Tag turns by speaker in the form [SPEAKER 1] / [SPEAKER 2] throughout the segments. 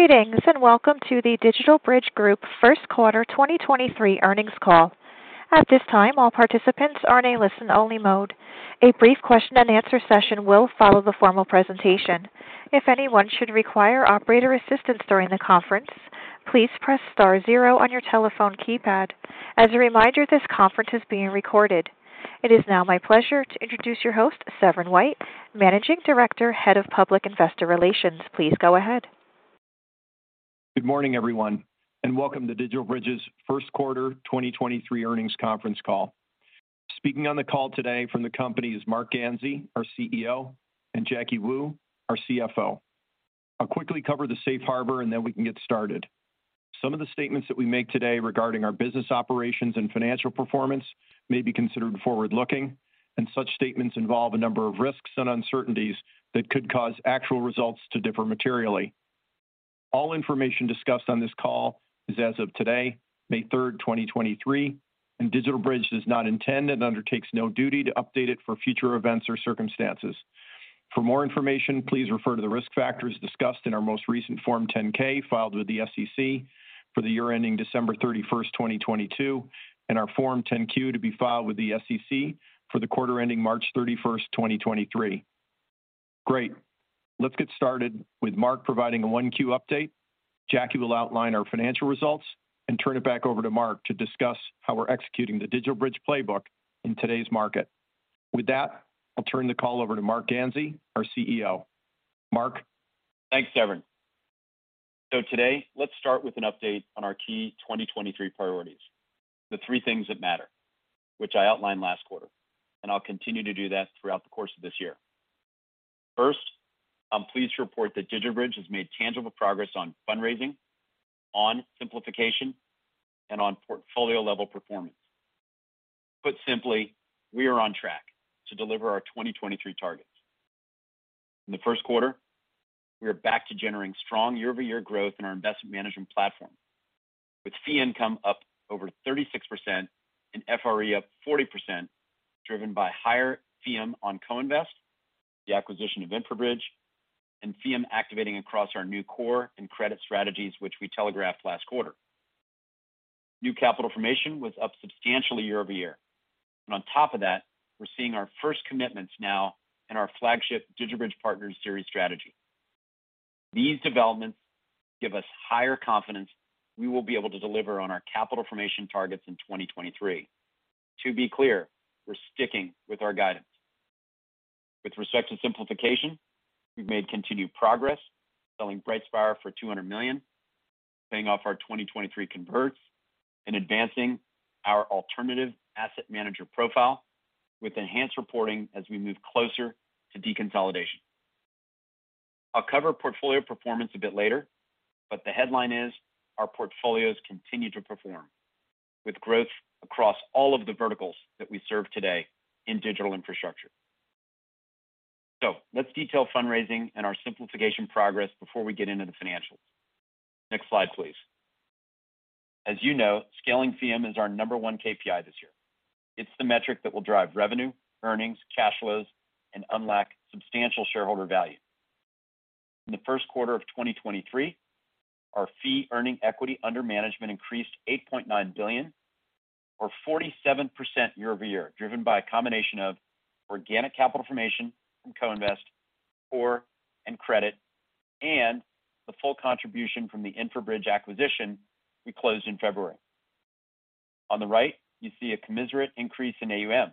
[SPEAKER 1] Greetings, welcome to the DigitalBridge Group First Quarter 2023 Earnings Call. At this time, all participants are in a listen-only mode. A brief question-and-answer session will follow the formal presentation. If anyone should require operator assistance during the conference, please press star zero on your telephone keypad. As a reminder, this conference is being recorded. It is now my pleasure to introduce your host, Severin White, Managing Director, Head of Public Investor Relations. Please go ahead.
[SPEAKER 2] Good morning, everyone, welcome to DigitalBridge's First Quarter 2023 Earnings Conference Call. Speaking on the call today from the company is Marc Ganzi, our CEO, and Jacky Wu, our CFO. I'll quickly cover the safe harbor, then we can get started. Some of the statements that we make today regarding our business operations and financial performance may be considered forward-looking, such statements involve a number of risks and uncertainties that could cause actual results to differ materially. All information discussed on this call is as of today, May 3rd, 2023, DigitalBridge does not intend and undertakes no duty to update it for future events or circumstances. For more information, please refer to the risk factors discussed in our most recent Form 10-K filed with the SEC for the year ending December 31st, 2022, and our Form 10-Q to be filed with the SEC for the quarter ending March 31st, 2023. Great. Let's get started with Marc providing a 1Q update. Jacky will outline our financial results and turn it back over to Marc to discuss how we're executing the DigitalBridge playbook in today's market. With that, I'll turn the call over to Marc Ganzi, our CEO. Marc.
[SPEAKER 3] Thanks, Severin. Today, let's start with an update on our key 2023 priorities, the three things that matter, which I outlined last quarter, and I'll continue to do that throughout the course of this year. First, I'm pleased to report that DigitalBridge has made tangible progress on fundraising, on simplification, and on portfolio-level performance. Put simply, we are on track to deliver our 2023 targets. In the first quarter, we are back to generating strong year-over-year growth in our investment management platform, with fee income up over 36% and FRE up 40%, driven by higher FEEUM on co-invest, the acquisition of InfraBridge, and FEEUM activating across our new core and credit strategies, which we telegraphed last quarter. New capital formation was up substantially year-over-year. On top of that, we're seeing our first commitments now in our flagship DigitalBridge Partners Series strategy. These developments give us higher confidence we will be able to deliver on our capital formation targets in 2023. To be clear, we're sticking with our guidance. With respect to simplification, we've made continued progress selling BrightSpire for $200 million, paying off our 2023 converts, and advancing our alternative asset manager profile with enhanced reporting as we move closer to deconsolidation. I'll cover portfolio performance a bit later, but the headline is our portfolios continue to perform with growth across all of the verticals that we serve today in digital infrastructure. Let's detail fundraising and our simplification progress before we get into the financials. Next slide, please. As you know, scaling FEEUM is our number one KPI this year. It's the metric that will drive revenue, earnings, cash flows, and unlock substantial shareholder value. In the first quarter of 2023, our fee-earning equity under management increased $8.9 billion or 47% year-over-year, driven by a combination of organic capital formation from co-invest, core and credit, and the full contribution from the InfraBridge acquisition we closed in February. On the right, you see a commensurate increase in AUM,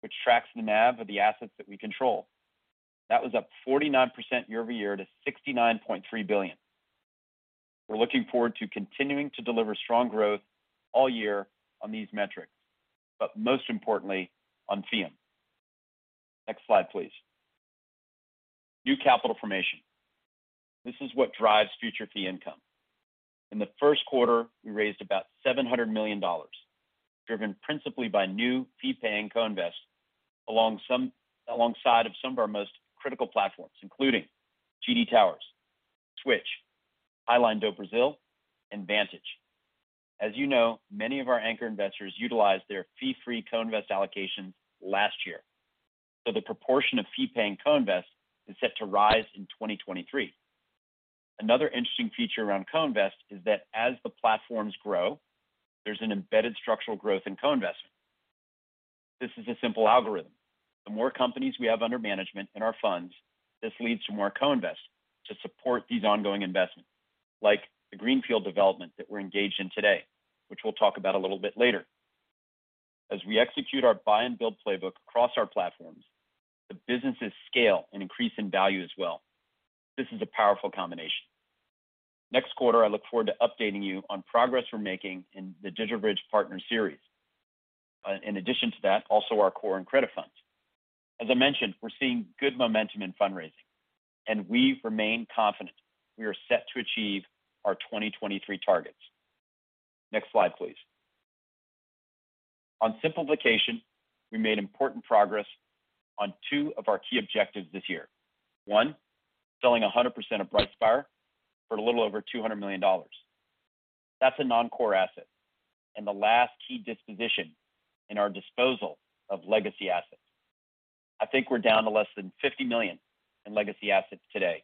[SPEAKER 3] which tracks the NAV of the assets that we control. That was up 49% year-over-year to $69.3 billion. We're looking forward to continuing to deliver strong growth all year on these metrics, but most importantly, on FEEUM. Next slide, please. New capital formation. This is what drives future fee income. In the first quarter, we raised about $700 million, driven principally by new fee-paying co-invest alongside of some of our most critical platforms, including GD Towers, Switch, Highline do Brasil, and Vantage. As you know, many of our anchor investors utilized their fee-free co-invest allocations last year. The proportion of fee-paying co-invest is set to rise in 2023. Another interesting feature around co-invest is that as the platforms grow, there's an embedded structural growth in co-investment. This is a simple algorithm. The more companies we have under management in our funds, this leads to more co-invest to support these ongoing investments, like the greenfield development that we're engaged in today, which we'll talk about a little bit later. As we execute our buy and build playbook across our platforms, the businesses scale and increase in value as well. This is a powerful combination. Next quarter, I look forward to updating you on progress we're making in the DigitalBridge Partner Series. In addition to that, also our core and credit funds. As I mentioned, we're seeing good momentum in fundraising, and we remain confident we are set to achieve our 2023 targets. Next slide, please. On simplification, we made important progress on two of our key objectives this year. One, selling 100% of BrightSpire for a little over $200 million. That's a non-core asset and the last key disposition in our disposal of legacy assets. I think we're down to less than $50 million in legacy assets today.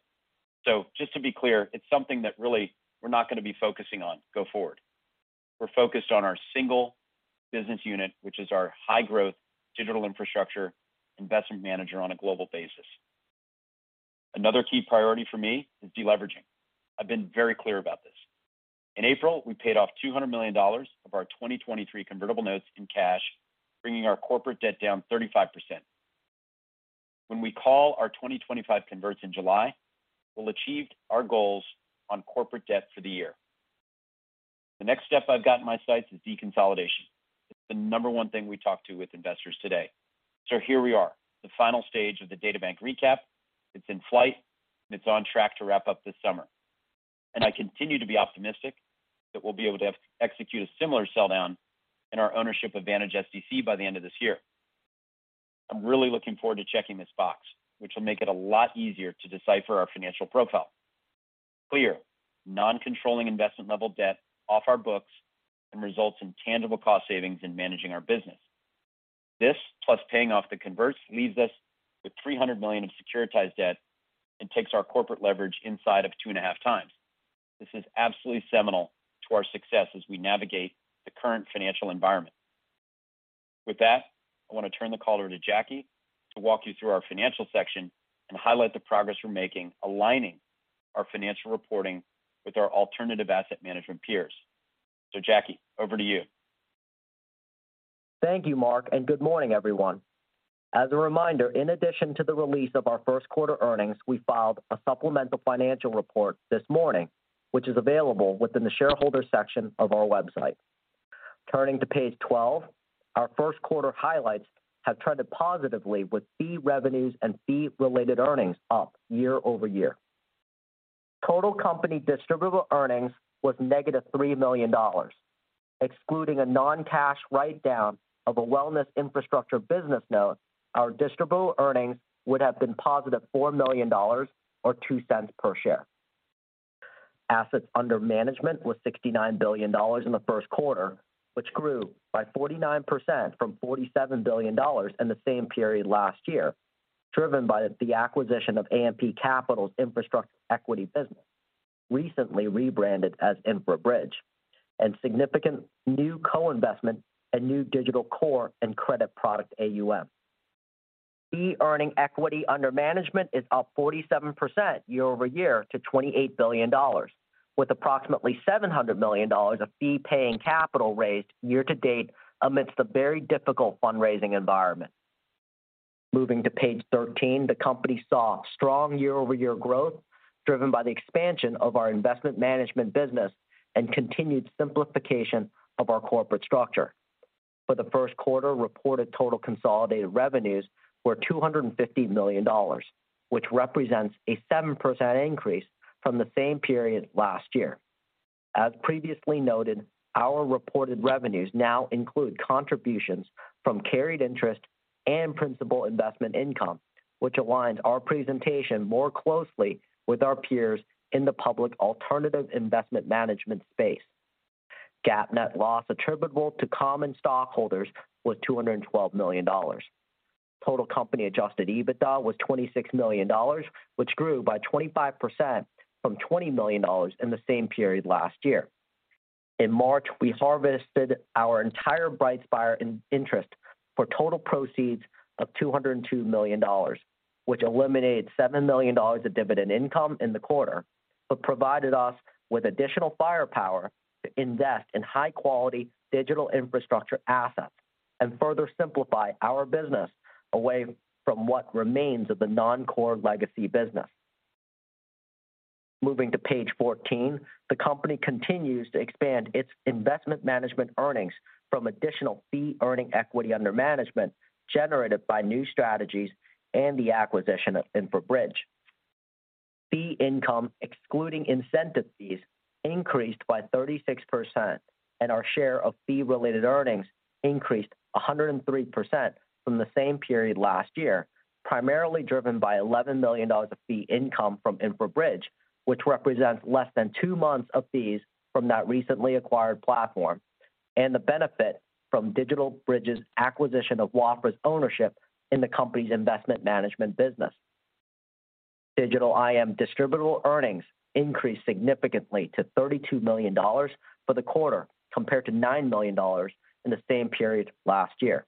[SPEAKER 3] Just to be clear, it's something that really we're not going to be focusing on go forward. We're focused on our single business unit, which is our high growth digital infrastructure investment manager on a global basis. Another key priority for me is deleveraging. I've been very clear about this. In April, we paid off $200 million of our 2023 convertible notes in cash, bringing our corporate debt down 35%. When we call our 2025 converts in July, we'll achieve our goals on corporate debt for the year. The next step I've got in my sights is deconsolidation. It's the number one thing we talk to with investors today. Here we are, the final stage of the DataBank recap. It's in flight, and it's on track to wrap up this summer. I continue to be optimistic that we'll be able to execute a similar sell down in our ownership of Vantage SDC by the end of this year. I'm really looking forward to checking this box, which will make it a lot easier to decipher our financial profile. Clear, non-controlling investment level debt off our books and results in tangible cost savings in managing our business. This, plus paying off the converts, leaves us with $300 million of securitized debt and takes our corporate leverage inside of 2.5x. This is absolutely seminal to our success as we navigate the current financial environment. With that, I want to turn the caller to Jacky to walk you through our financial section and highlight the progress we're making aligning our financial reporting with our alternative asset management peers. Jacky, over to you.
[SPEAKER 4] Thank you, Marc, and good morning, everyone. As a reminder, in addition to the release of our first quarter earnings, we filed a supplemental financial report this morning, which is available within the shareholder section of our website. Turning to page 12, our first quarter highlights have trended positively with fee revenues and fee-related earnings up year-over-year. Total company distributable earnings was negative $3 million. Excluding a non-cash write down of a wellness infrastructure business note, our distributable earnings would have been positive $4 million or $0.02 per share. Assets Under Management was $69 billion in the first quarter, which grew by 49% from $47 billion in the same period last year, driven by the acquisition of AMP Capital's infrastructure equity business, recently rebranded as InfraBridge, and significant new co-investment and new digital core and credit product AUM. Fee-earning equity under management is up 47% year-over-year to $28 billion, with approximately $700 million of fee-paying capital raised year-to-date amidst a very difficult fundraising environment. Moving to page 13, the company saw strong year-over-year growth driven by the expansion of our Investment Management business and continued simplification of our corporate structure. For the first quarter, reported total consolidated revenues were $250 million, which represents a 7% increase from the same period last year. As previously noted, our reported revenues now include contributions from carried interest and principal investment income, which aligns our presentation more closely with our peers in the public alternative investment management space. GAAP net loss attributable to common stockholders was $212 million. Total company adjusted EBITDA was $26 million, which grew by 25% from $20 million in the same period last year. In March, we harvested our entire BrightSpire in-interest for total proceeds of $202 million, which eliminated $7 million of dividend income in the quarter, provided us with additional firepower to invest in high-quality digital infrastructure assets and further simplify our business away from what remains of the non-core legacy business. Moving to page 14, the company continues to expand its Investment Management earnings from additional fee-earning equity under management generated by new strategies and the acquisition of InfraBridge. Fee income, excluding incentive fees, increased by 36%, and our share of fee-related earnings increased 103% from the same period last year, primarily driven by $11 million of fee income from InfraBridge, which represents less than two months of fees from that recently acquired platform, and the benefit from DigitalBridge's acquisition of Wafra's ownership in the company's investment management business. Digital IM distributable earnings increased significantly to $32 million for the quarter, compared to $9 million in the same period last year.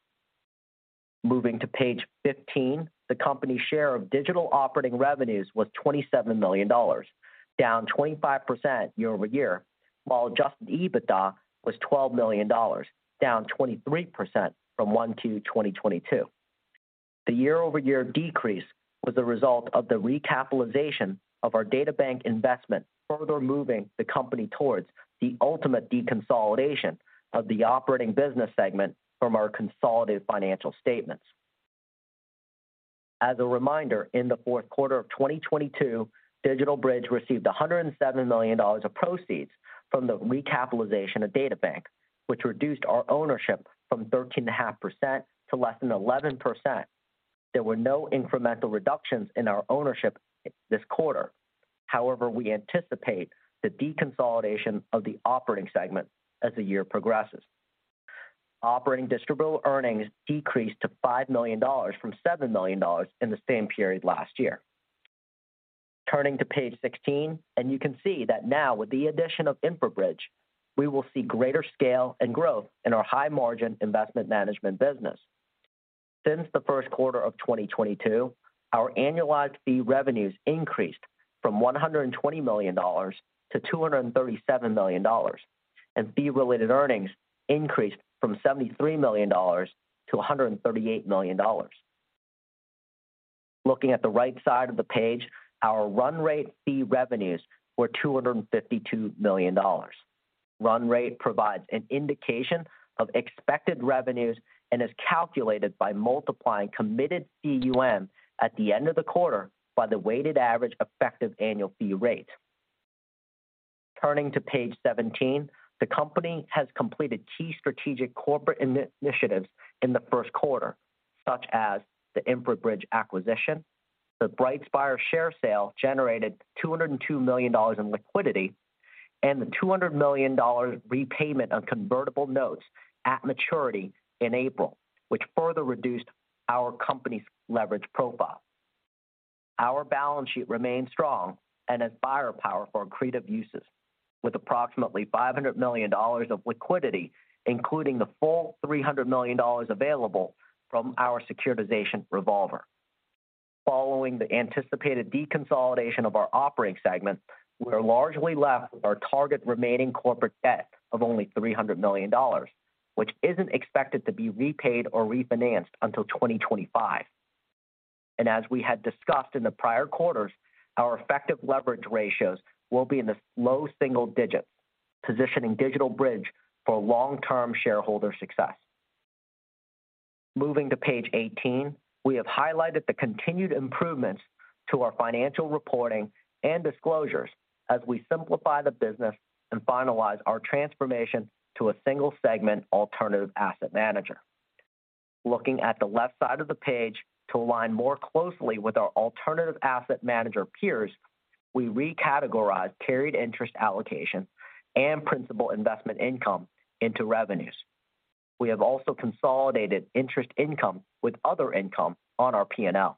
[SPEAKER 4] Moving to page 15, the company's share of digital operating revenues was $27 million, down 25% year-over-year, while adjusted EBITDA was $12 million, down 23% from 1/2/2022. The year-over-year decrease was a result of the recapitalization of our DataBank investment, further moving the company towards the ultimate deconsolidation of the operating business segment from our consolidated financial statements. As a reminder, in the fourth quarter of 2022, DigitalBridge received $107 million of proceeds from the recapitalization of DataBank, which reduced our ownership from 13.5% to less than 11%. There were no incremental reductions in our ownership this quarter. We anticipate the deconsolidation of the operating segment as the year progresses. Operating distributable earnings decreased to $5 million from $7 million in the same period last year. Turning to page 16, you can see that now with the addition of InfraBridge, we will see greater scale and growth in our high-margin investment management business. Since the first quarter of 2022, our annualized fee revenues increased from $120 million- $237 million, and fee-related earnings increased from $73 million-$138 million. Looking at the right side of the page, our run rate fee revenues were $252 million. Run rate provides an indication of expected revenues and is calculated by multiplying committed FEEUM at the end of the quarter by the weighted average effective annual fee rate. Turning to page 17. The company has completed key strategic corporate initiatives in the first quarter, such as the InfraBridge acquisition. The BrightSpire share sale generated $202 million in liquidity, and the $200 million repayment of convertible notes at maturity in April, which further reduced our company's leverage profile. Our balance sheet remains strong and has firepower for accretive uses with approximately $500 million of liquidity, including the full $300 million available from our securitization revolver. Following the anticipated deconsolidation of our operating segment, we are largely left with our target remaining corporate debt of only $300 million, which isn't expected to be repaid or refinanced until 2025. As we had discussed in the prior quarters, our effective leverage ratios will be in the low single digits, positioning DigitalBridge for long-term shareholder success. Moving to page 18. We have highlighted the continued improvements to our financial reporting and disclosures as we simplify the business and finalize our transformation to a single-segment alternative asset manager. Looking at the left side of the page to align more closely with our alternative asset manager peers, we recategorized carried interest allocations and principal investment income into revenues. We have also consolidated interest income with other income on our P&L.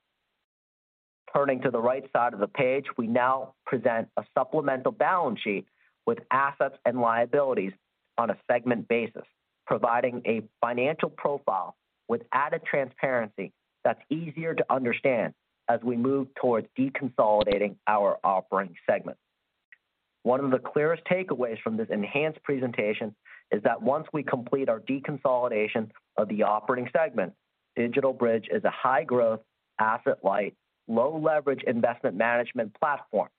[SPEAKER 4] Turning to the right side of the page, we now present a supplemental balance sheet with assets and liabilities on a segment basis, providing a financial profile with added transparency that's easier to understand as we move towards deconsolidating our operating segment. One of the clearest takeaways from this enhanced presentation is that once we complete our deconsolidation of the operating segment, DigitalBridge is a high-growth, asset-light, low leverage investment management platform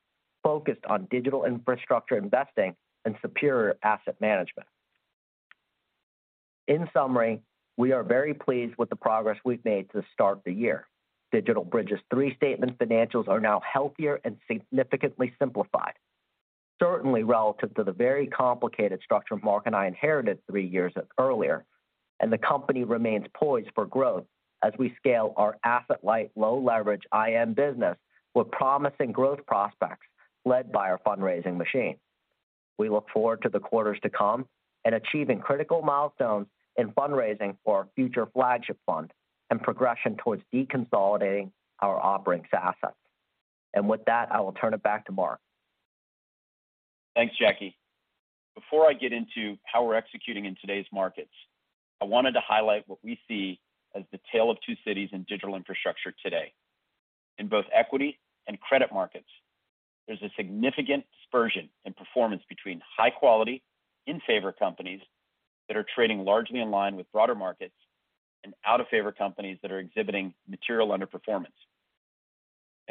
[SPEAKER 4] focused on digital infrastructure investing and superior asset management. In summary, we are very pleased with the progress we've made to start the year. DigitalBridge's three-statement financials are now healthier and significantly simplified, certainly relative to the very complicated structure Marc and I inherited three years earlier. The company remains poised for growth as we scale our asset-light, low leverage IM business with promising growth prospects led by our fundraising machine. We look forward to the quarters to come and achieving critical milestones in fundraising for our future flagship fund and progression towards deconsolidating our operating assets. With that, I will turn it back to Marc.
[SPEAKER 3] Thanks, Jacky. Before I get into how we're executing in today's markets, I wanted to highlight what we see as the Tale of Two Cities in digital infrastructure today. In both equity and credit markets, there's a significant dispersion in performance between high quality in-favor companies that are trading largely in line with broader markets and out-of-favor companies that are exhibiting material underperformance.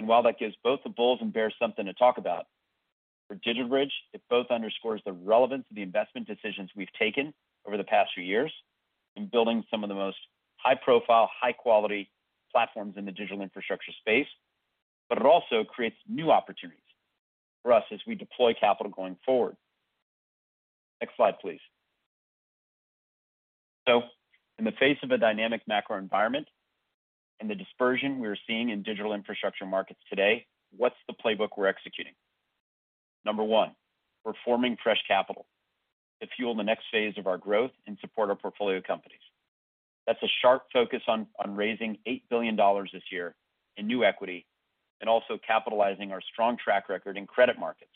[SPEAKER 3] While that gives both the bulls and bears something to talk about, for DigitalBridge, it both underscores the relevance of the investment decisions we've taken over the past few years in building some of the most high-profile, high-quality platforms in the digital infrastructure space. It also creates new opportunities for us as we deploy capital going forward. Next slide, please. In the face of a dynamic macro environment and the dispersion we're seeing in digital infrastructure markets today, what's the playbook we're executing? Number one, we're forming fresh capital to fuel the next phase of our growth and support our portfolio companies. That's a sharp focus on raising $8 billion this year in new equity and also capitalizing our strong track record in credit markets,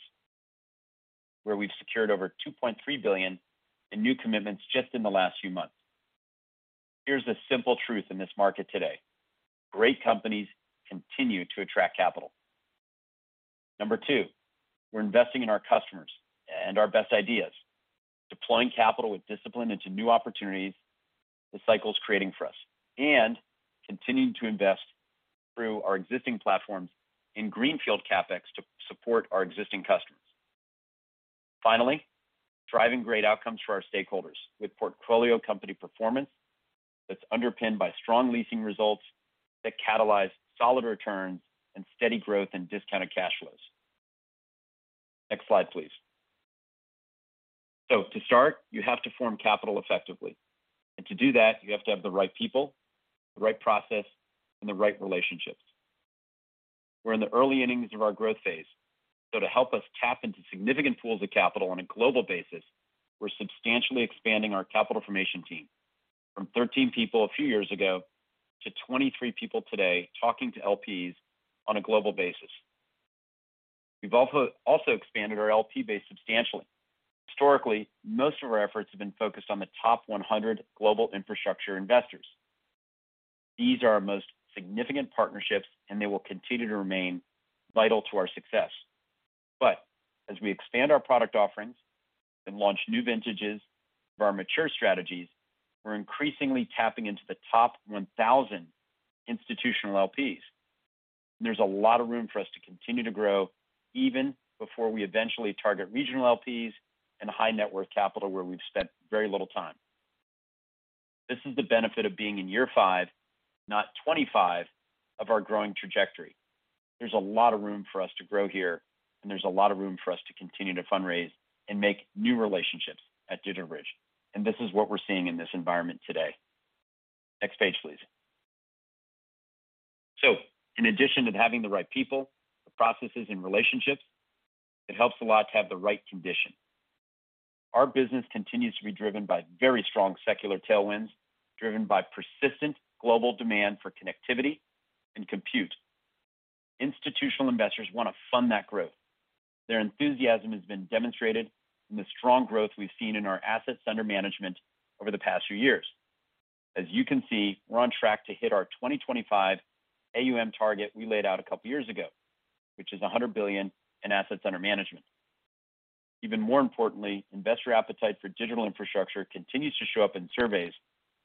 [SPEAKER 3] where we've secured over $2.3 billion in new commitments just in the last few months. Here's the simple truth in this market today: Great companies continue to attract capital. Number two, we're investing in our customers and our best ideas. Deploying capital with discipline into new opportunities the cycle's creating for us. Continuing to invest through our existing platforms in greenfield CapEx to support our existing customers. Finally, driving great outcomes for our stakeholders with portfolio company performance that's underpinned by strong leasing results that catalyze solid returns and steady growth in discounted cash flows. Next slide, please. To start, you have to form capital effectively. To do that, you have to have the right people, the right process, and the right relationships. We're in the early innings of our growth phase, so to help us tap into significant pools of capital on a global basis, we're substantially expanding our capital formation team from 13 people a few years ago to 23 people today talking to LPs on a global basis. We've also expanded our LP base substantially. Historically, most of our efforts have been focused on the top 100 global infrastructure investors. These are our most significant partnerships, and they will continue to remain vital to our success. As we expand our product offerings and launch new vintages of our mature strategies, we're increasingly tapping into the top 1,000 institutional LPs. There's a lot of room for us to continue to grow even before we eventually target regional LPs and high net worth capital, where we've spent very little time. This is the benefit of being in year five, not 25, of our growing trajectory. There's a lot of room for us to grow here, and there's a lot of room for us to continue to fundraise and make new relationships at DigitalBridge, and this is what we're seeing in this environment today. Next page, please. In addition to having the right people, the processes and relationships, it helps a lot to have the right condition. Our business continues to be driven by very strong secular tailwinds, driven by persistent global demand for connectivity and compute. Institutional investors want to fund that growth. Their enthusiasm has been demonstrated in the strong growth we've seen in our assets under management over the past few years. As you can see, we're on track to hit our 2025 AUM target we laid out a couple years ago, which is $100 billion in assets under management. Even more importantly, investor appetite for digital infrastructure continues to show up in surveys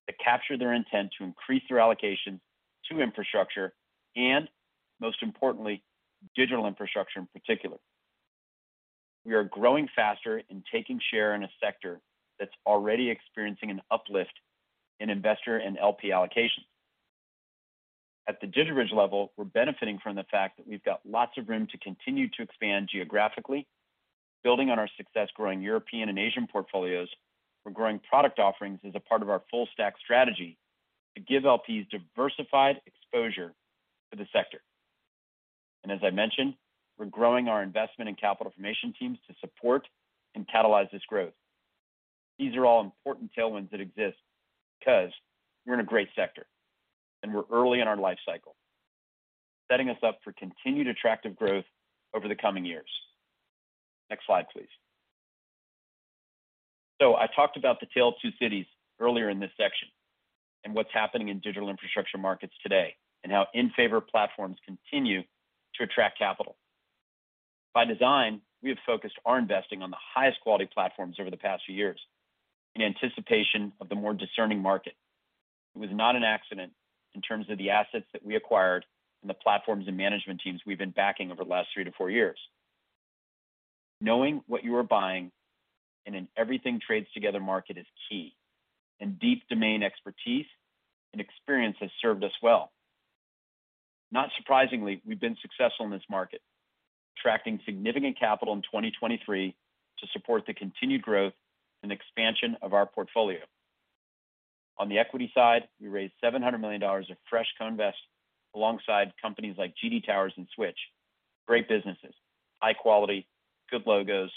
[SPEAKER 3] that capture their intent to increase their allocation to infrastructure and most importantly, digital infrastructure in particular. We are growing faster and taking share in a sector that's already experiencing an uplift in investor and LP allocation. At the DigitalBridge level, we're benefiting from the fact that we've got lots of room to continue to expand geographically. Building on our success growing European and Asian portfolios, we're growing product offerings as a part of our full stack strategy to give LPs diversified exposure to the sector. As I mentioned, we're growing our investment in capital formation teams to support and catalyze this growth. These are all important tailwinds that exist because we're in a great sector and we're early in our life cycle, setting us up for continued attractive growth over the coming years. Next slide, please. I talked about the Tale of Two Cities earlier in this section and what's happening in digital infrastructure markets today, and how in-favor platforms continue to attract capital. By design, we have focused our investing on the highest quality platforms over the past few years in anticipation of the more discerning market. It was not an accident in terms of the assets that we acquired and the platforms and management teams we've been backing over the last three to four years. Knowing what you are buying in an everything trades together market is key, and deep domain expertise and experience has served us well. Not surprisingly, we've been successful in this market, attracting significant capital in 2023 to support the continued growth and expansion of our portfolio. On the equity side, we raised $700 million of fresh co-invest alongside companies like GD Towers and Switch. Great businesses, high quality, good logos,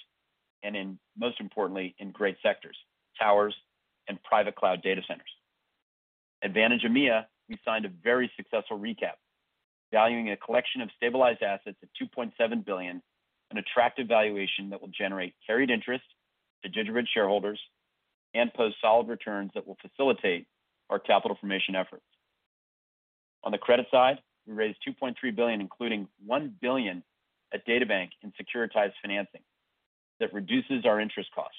[SPEAKER 3] most importantly, in great sectors, towers and private cloud data centers. Vantage EMEA, we signed a very successful recap, valuing a collection of stabilized assets at $2.7 billion, an attractive valuation that will generate carried interest to DigitalBridge shareholders and post solid returns that will facilitate our capital formation efforts. On the credit side, we raised $2.3 billion, including $1 billion at DataBank in securitized financing that reduces our interest costs.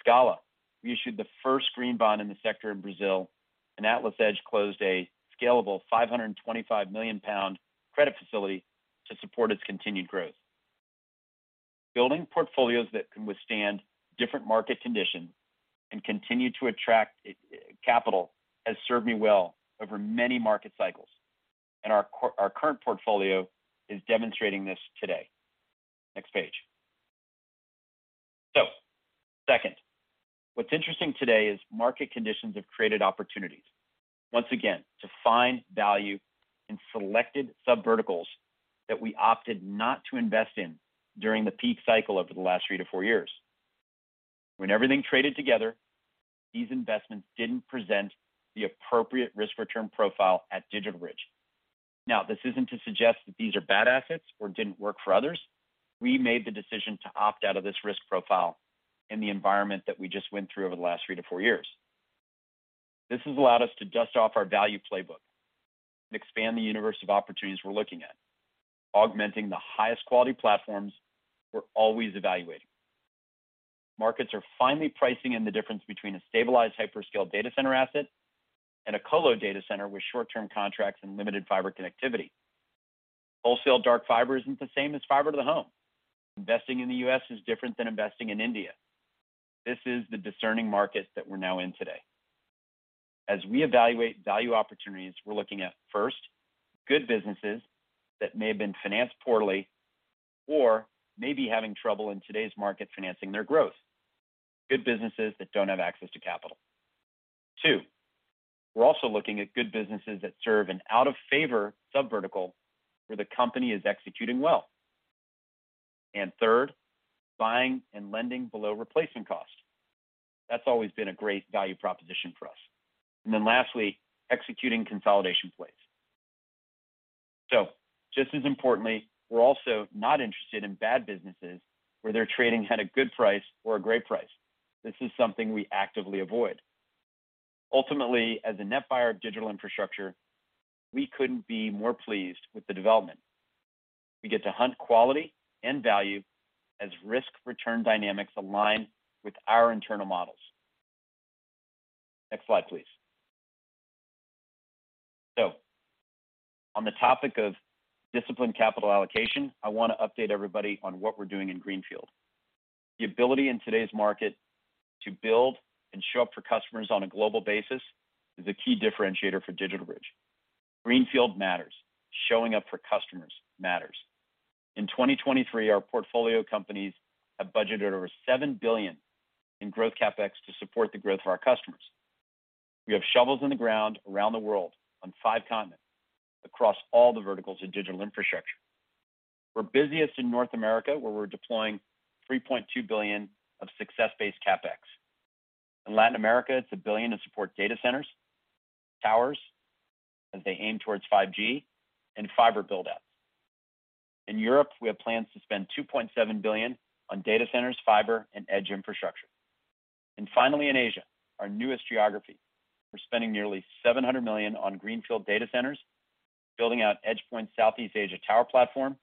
[SPEAKER 3] Scala, we issued the first green bond in the sector in Brazil, and AtlasEdge closed a scalable 525 million pound credit facility to support its continued growth. Building portfolios that can withstand different market conditions and continue to attract capital has served me well over many market cycles, and our current portfolio is demonstrating this today. Next page. Second, what's interesting today is market conditions have created opportunities once again to find value in selected subverticals that we opted not to invest in during the peak cycle over the last three to four years. When everything traded together, these investments didn't present the appropriate risk return profile at DigitalBridge. Now, this isn't to suggest that these are bad assets or didn't work for others. We made the decision to opt out of this risk profile in the environment that we just went through over the last three to four years. This has allowed us to dust off our value playbook and expand the universe of opportunities we're looking at. Augmenting the highest quality platforms we're always evaluating. Markets are finally pricing in the difference between a stabilized hyperscale data center asset and a colo data center with short-term contracts and limited fiber connectivity. Wholesale dark fiber isn't the same as fiber to the home. Investing in the U.S. is different than investing in India. This is the discerning market that we're now in today. As we evaluate value opportunities, we're looking at, first, good businesses that may have been financed poorly or may be having trouble in today's market financing their growth. Good businesses that don't have access to capital. Two, we're also looking at good businesses that serve an out-of-favor sub-vertical where the company is executing well. Third, buying and lending below replacement cost. That's always been a great value proposition for us. Lastly, executing consolidation plays. Just as importantly, we're also not interested in bad businesses where they're trading at a good price or a great price. This is something we actively avoid. Ultimately, as a net buyer of digital infrastructure, we couldn't be more pleased with the development. We get to hunt quality and value as risk-return dynamics align with our internal models. Next slide, please. On the topic of disciplined capital allocation, I want to update everybody on what we're doing in Greenfield. The ability in today's market to build and show up for customers on a global basis is a key differentiator for DigitalBridge. Greenfield matters. Showing up for customers matters. In 2023, our portfolio companies have budgeted over $7 billion in growth CapEx to support the growth of our customers. We have shovels in the ground around the world on five continents across all the verticals of digital infrastructure. We're busiest in North America, where we're deploying $3.2 billion of success-based CapEx. In Latin America, it's $1 billion to support data centers, towers as they aim towards 5G, and fiber build-outs. In Europe, we have plans to spend $2.7 billion on data centers, fiber, and edge infrastructure. Finally, in Asia, our newest geography, we're spending nearly $700 million on greenfield data centers, building out EdgePoint Southeast Asia tower platform,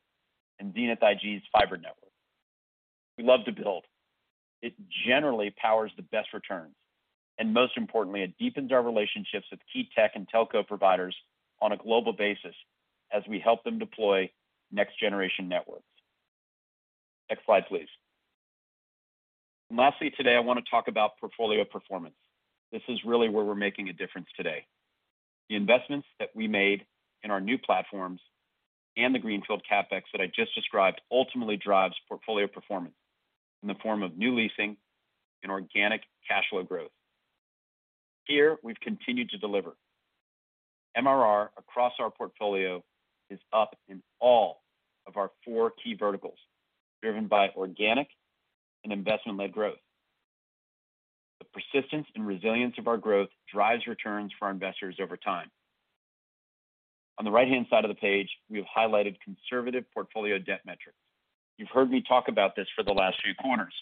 [SPEAKER 3] and Xenith IG's fiber network. We love to build. It generally powers the best returns, most importantly, it deepens our relationships with key tech and telco providers on a global basis as we help them deploy next-generation networks. Next slide, please. Lastly, today, I want to talk about portfolio performance. This is really where we're making a difference today. The investments that we made in our new platforms and the greenfield CapEx that I just described ultimately drives portfolio performance in the form of new leasing and organic cash flow growth. Here we've continued to deliver. MRR across our portfolio is up in all of our four key verticals, driven by organic and investment-led growth. The persistence and resilience of our growth drives returns for our investors over time. On the right-hand side of the page, we have highlighted conservative portfolio debt metrics. You've heard me talk about this for the last few quarters.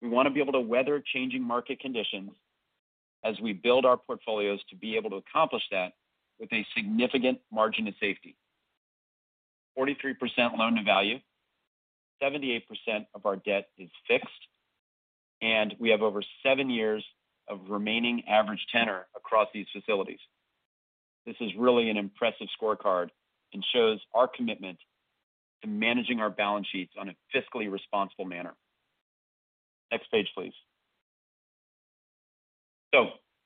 [SPEAKER 3] We want to be able to weather changing market conditions as we build our portfolios to be able to accomplish that with a significant margin of safety. 43% loan-to-value, 78% of our debt is fixed, and we have over seven years of remaining average tenor across these facilities. This is really an impressive scorecard and shows our commitment to managing our balance sheets on a fiscally responsible manner. Next page, please.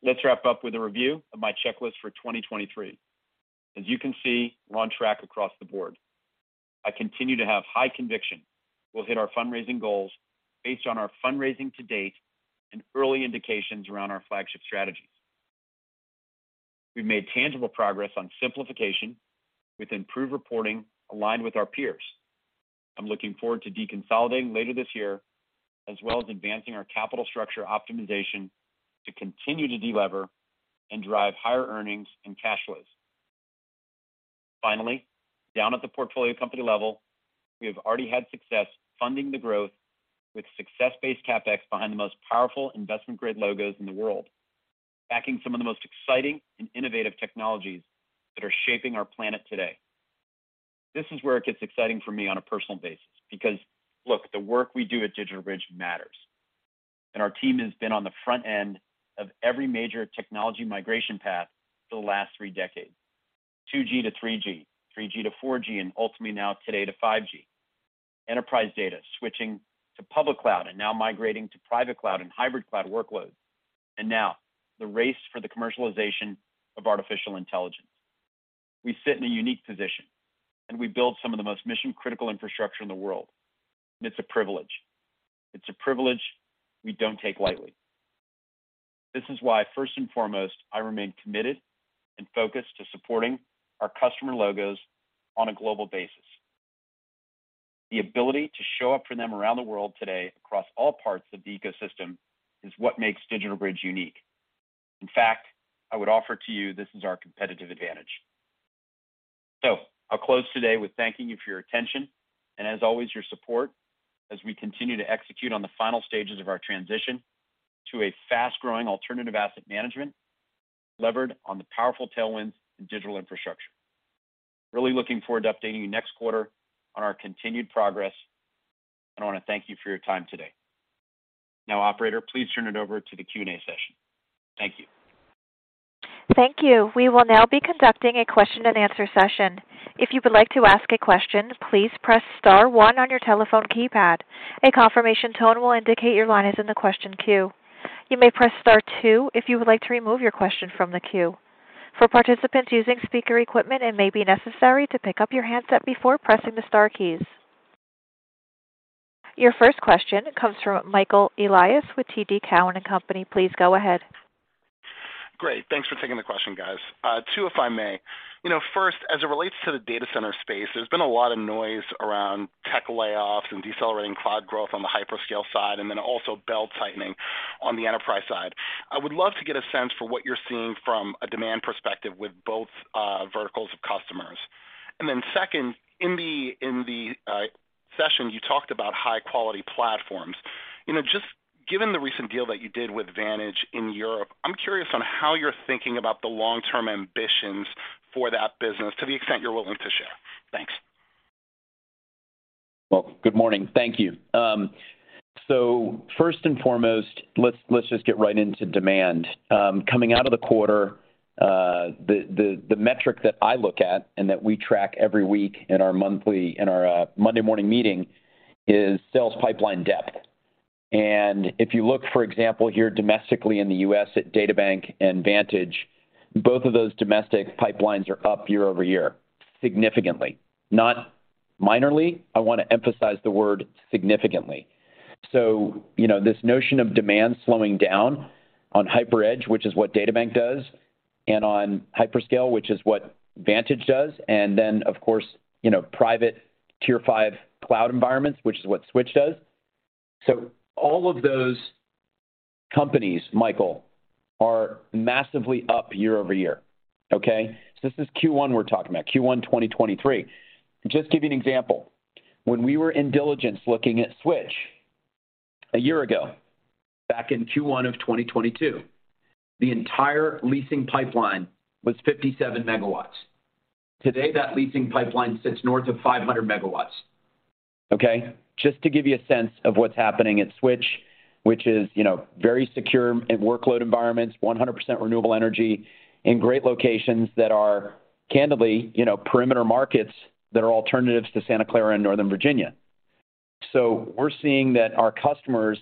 [SPEAKER 3] Let's wrap up with a review of my checklist for 2023. As you can see, we're on track across the board. I continue to have high conviction we'll hit our fundraising goals based on our fundraising to date and early indications around our flagship strategies. We've made tangible progress on simplification with improved reporting aligned with our peers. I'm looking forward to deconsolidating later this year, as well as advancing our capital structure optimization to continue to delever and drive higher earnings and cash flows. Finally, down at the portfolio company level, we have already had success funding the growth with success-based CapEx behind the most powerful investment-grade logos in the world, backing some of the most exciting and innovative technologies that are shaping our planet today. This is where it gets exciting for me on a personal basis. Look, the work we do at DigitalBridge matters. Our team has been on the front end of every major technology migration path for the last three decades. 2G to 3G to 4G, and ultimately now today to 5G. Enterprise data switching to public cloud and now migrating to private cloud and hybrid cloud workloads. Now the race for the commercialization of artificial intelligence. We sit in a unique position, and we build some of the most mission-critical infrastructure in the world. It's a privilege. It's a privilege we don't take lightly. This is why, first and foremost, I remain committed and focused to supporting our customer logos on a global basis. The ability to show up for them around the world today across all parts of the ecosystem is what makes DigitalBridge unique. In fact, I would offer to you this is our competitive advantage. I'll close today with thanking you for your attention and, as always, your support as we continue to execute on the final stages of our transition to a fast-growing alternative asset management levered on the powerful tailwinds in digital infrastructure. Really looking forward to updating you next quarter on our continued progress, and I want to thank you for your time today. Now, operator, please turn it over to the Q&A session. Thank you.
[SPEAKER 1] Thank you. We will now be conducting a question and answer session. If you would like to ask a question, please press star one on your telephone keypad. A confirmation tone will indicate your line is in the question queue. You may press star two if you would like to remove your question from the queue. For participants using speaker equipment, it may be necessary to pick up your handset before pressing the star keys. Your first question comes from Michael Elias with TD Cowen and Company. Please go ahead.
[SPEAKER 5] Great. Thanks for taking the question, guys. Two, if I may. You know, first, as it relates to the data center space, there's been a lot of noise around tech layoffs and decelerating cloud growth on the hyperscale side, and then also belt-tightening on the enterprise side. I would love to get a sense for what you're seeing from a demand perspective with both verticals of customers. Second, in the session, you talked about high-quality platforms. You know, just given the recent deal that you did with Vantage in Europe, I'm curious on how you're thinking about the long-term ambitions for that business to the extent you're willing to share. Thanks.
[SPEAKER 3] Well, good morning. Thank you. First and foremost, let's just get right into demand. Coming out of the quarter, the metric that I look at and that we track every week in our Monday morning meeting is sales pipeline depth. If you look, for example, here domestically in the U.S. at DataBank and Vantage, both of those domestic pipelines are up year-over-year significantly. Not minorly. I want to emphasize the word significantly. You know, this notion of demand slowing down on hyper edge, which is what DataBank does, and on hyperscale, which is what Vantage does, and then of course, you know, private Tier 5 cloud environments, which is what Switch does. All of those companies, Michael, are massively up year-over-year, okay? This is Q1 we're talking about, Q1 2023. Just give you an example. When we were in diligence looking at Switch a year ago, back in Q1 of 2022, the entire leasing pipeline was 57 MW. Today, that leasing pipeline sits north of 500 MW, okay? Just to give you a sense of what's happening at Switch, which is, you know, very secure workload environments, 100% renewable energy in great locations that are candidly, you know, perimeter markets that are alternatives to Santa Clara and Northern Virginia. We're seeing that our customers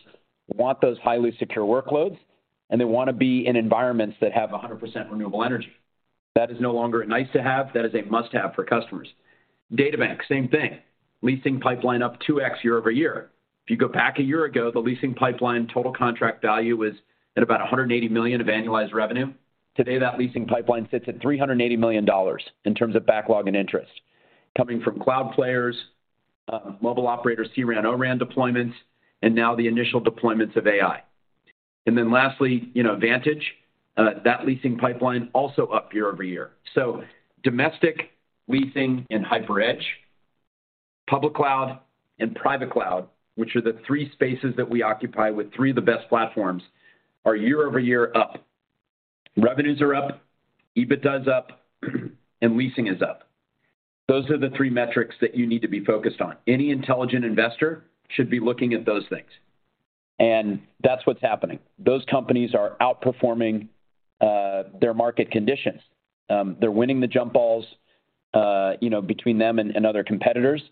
[SPEAKER 3] want those highly secure workloads, and they want to be in environments that have 100% renewable energy. That is no longer a nice to have. That is a must-have for customers. DataBank, same thing. Leasing pipeline up 2x year-over-year. If you go back a year ago, the leasing pipeline total contract value was at about $180 million of annualized revenue. Today, that leasing pipeline sits at $380 million in terms of backlog and interest coming from cloud players, mobile operators, CRAN, ORAN deployments, and now the initial deployments of AI. Lastly, you know, Vantage, that leasing pipeline also up year-over-year. Domestic leasing and hyper edge, public cloud and private cloud, which are the three spaces that we occupy with three of the best platforms, are year-over-year up. Revenues are up, EBITDA is up, and leasing is up. Those are the three metrics that you need to be focused on. Any intelligent investor should be looking at those things. That's what's happening. Those companies are outperforming their market conditions. They're winning the jump balls between them and other competitors.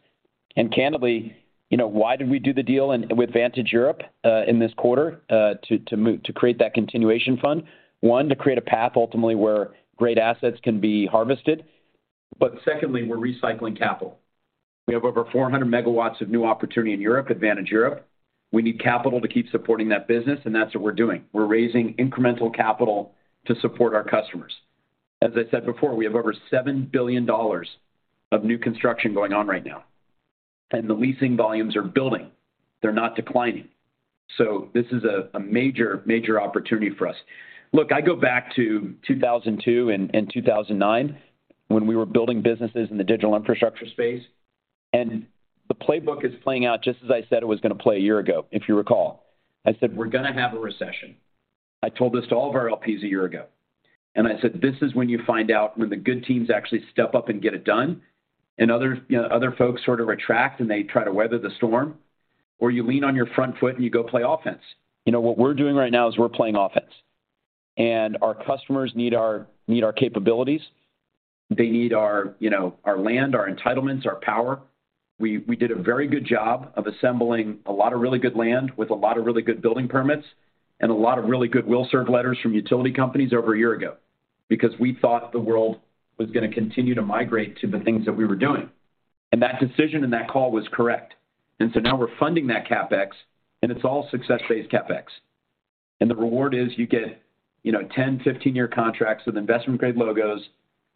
[SPEAKER 3] Candidly, why did we do the deal with Vantage Europe in this quarter to create that continuation fund? One, to create a path ultimately where great assets can be harvested. Secondly, we're recycling capital. We have over 400 MW of new opportunity in Europe at Vantage Europe. We need capital to keep supporting that business, and that's what we're doing. We're raising incremental capital to support our customers. As I said before, we have over $7 billion of new construction going on right now, and the leasing volumes are building. They're not declining. This is a major opportunity for us. Look, I go back to 2002 and 2009 when we were building businesses in the digital infrastructure space, and the playbook is playing out just as I said it was gonna play a year ago, if you recall. I said, "We're gonna have a recession." I told this to all of our LPs a year ago. I said, "This is when you find out when the good teams actually step up and get it done, and other, you know, other folks sort of retract, and they try to weather the storm, or you lean on your front foot, and you go play offense." You know, what we're doing right now is we're playing offense. Our customers need our, need our capabilities. They need our, you know, our land, our entitlements, our power. We did a very good job of assembling a lot of really good land with a lot of really good building permits and a lot of really good will serve letters from utility companies over a year ago because we thought the world was gonna continue to migrate to the things that we were doing. That decision and that call was correct. So now we're funding that CapEx, and it's all success-based CapEx. The reward is you get, you know, 10, 15-year contracts with investment grade logos,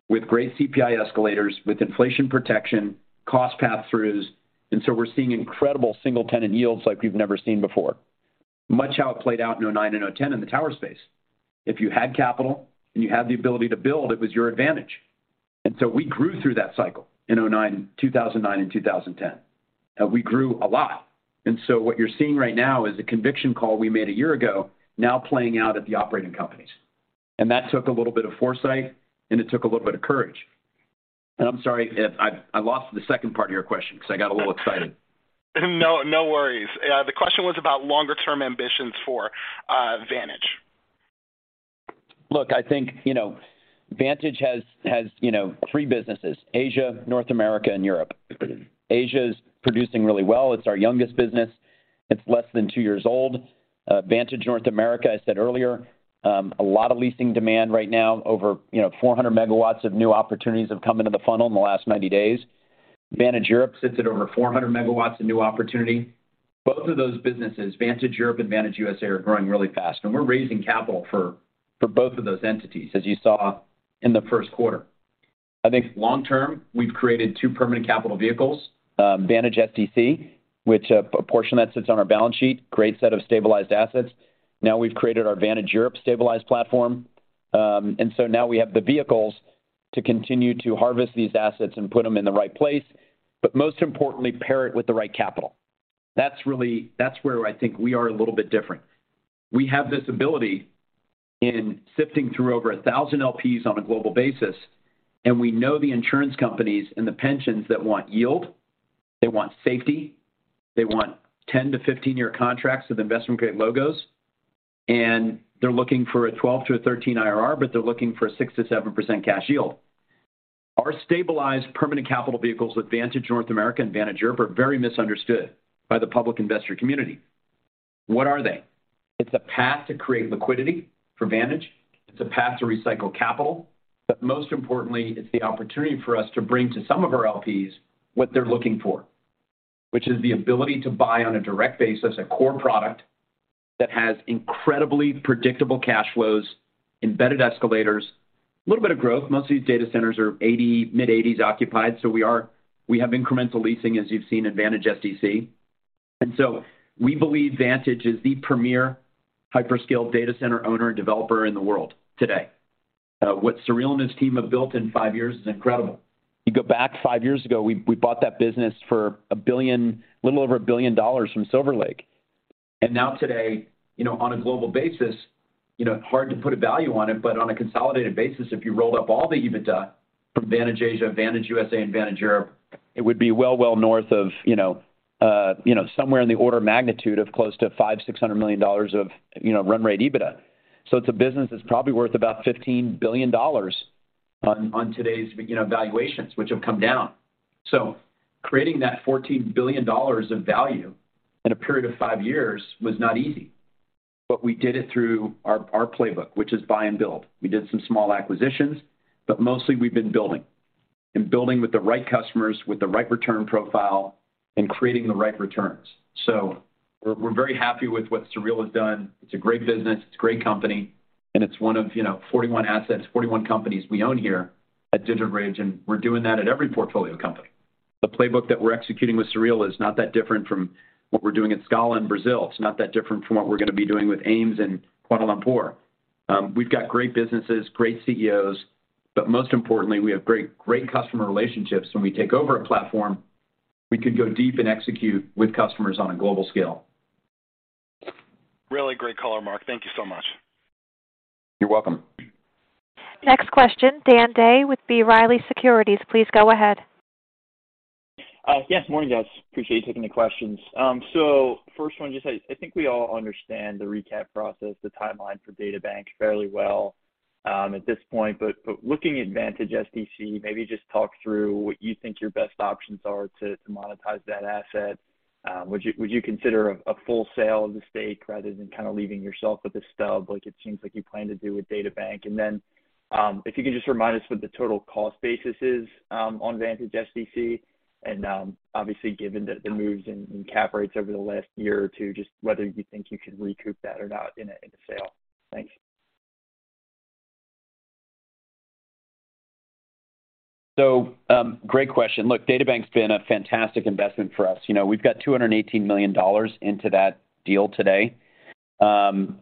[SPEAKER 3] with great CPI escalators, with inflation protection, cost passthroughs. So we're seeing incredible single-tenant yields like we've never seen before. Much how it played out in 2009 and 2010 in the tower space. If you had capital and you had the ability to build, it was your advantage. We grew through that cycle in 2009 and 2010. We grew a lot. What you're seeing right now is a conviction call we made a year ago now playing out at the operating companies. That took a little bit of foresight, and it took a little bit of courage. I'm sorry if I lost the second part of your question 'cause I got a little excited.
[SPEAKER 5] No, no worries. The question was about longer term ambitions for Vantage.
[SPEAKER 3] I think, you know, Vantage has, you know, three businesses: Asia, North America, and Europe. Asia is producing really well. It's our youngest business. It's less than two years old. Vantage North America, I said earlier, a lot of leasing demand right now, over, you know, 400 MW of new opportunities have come into the funnel in the last 90 days. Vantage Europe sits at over 400 MW of new opportunity. Both of those businesses, Vantage Europe and Vantage U.S.A, are growing really fast, and we're raising capital for both of those entities, as you saw in the first quarter. I think long term, we've created two permanent capital vehicles, Vantage SDC, which a portion that sits on our balance sheet, great set of stabilized assets. We've created our Vantage Europe stabilized platform. Now we have the vehicles to continue to harvest these assets and put them in the right place, but most importantly, pair it with the right capital. That's where I think we are a little bit different. We have this ability in sifting through over 1,000 LPs on a global basis, and we know the insurance companies and the pensions that want yield, they want safety, they want 10-15-year contracts with investment grade logos, and they're looking for a 12 to a 13 IRR, but they're looking for a 6%-7% cash yield. Our stabilized permanent capital vehicles with Vantage North America and Vantage Europe are very misunderstood by the public investor community. What are they? It's a path to create liquidity for Vantage. It's a path to recycle capital. Most importantly, it's the opportunity for us to bring to some of our LPs what they're looking for, which is the ability to buy on a direct basis a core product that has incredibly predictable cash flows, embedded escalators, a little bit of growth. Most of these data centers are 80, mid-80s occupied, so we have incremental leasing, as you've seen in Vantage SDC. We believe Vantage is the premier hyperscale data center owner and developer in the world today. What Sureel and his team have built in five years is incredible. You go back five years ago, we bought that business for $1 billion, a little over $1 billion from Silver Lake.
[SPEAKER 6] Now today, you know, on a global basis, you know, hard to put a value on it, but on a consolidated basis, if you rolled up all the EBITDA from Vantage Asia, Vantage U.S.A, and Vantage Europe, it would be well north of, you know, somewhere in the order of magnitude of close to $500 million-$600 million of, you know, run rate EBITDA. It's a business that's probably worth about $15 billion on today's, you know, valuations, which have come down. Creating that $14 billion of value in a period of five years was not easy. We did it through our playbook, which is buy and build. We did some small acquisitions, but mostly we've been building, and building with the right customers, with the right return profile and creating the right returns.
[SPEAKER 3] We're very happy with what Sureel has done. It's a great business, it's a great company, and it's one of, you know, 41 assets, 41 companies we own here at DigitalBridge, and we're doing that at every portfolio company. The playbook that we're executing with Sureel is not that different from what we're doing at Scala in Brazil. It's not that different from what we're gonna be doing with AIMS in Kuala Lumpur. We've got great businesses, great CEOs, but most importantly, we have great customer relationships. When we take over a platform, we can go deep and execute with customers on a global scale.
[SPEAKER 5] Really great color, Marc. Thank you so much.
[SPEAKER 3] You're welcome.
[SPEAKER 1] Next question, Dan Day with B. Riley Securities. Please go ahead.
[SPEAKER 7] Yes. Morning, guys. Appreciate you taking the questions. First one, I think we all understand the recap process, the timeline for DataBank fairly well at this point. Looking at Vantage SDC, maybe just talk through what you think your best options are to monetize that asset. Would you consider a full sale of the stake rather than kind of leaving yourself with a stub like it seems like you plan to do with DataBank? If you could just remind us what the total cost basis is on Vantage SDC, and obviously given the moves in cap rates over the last year or two, just whether you think you could recoup that or not in a sale. Thanks.
[SPEAKER 3] Great question. Look, DataBank's been a fantastic investment for us. You know, we've got $218 million into that deal today.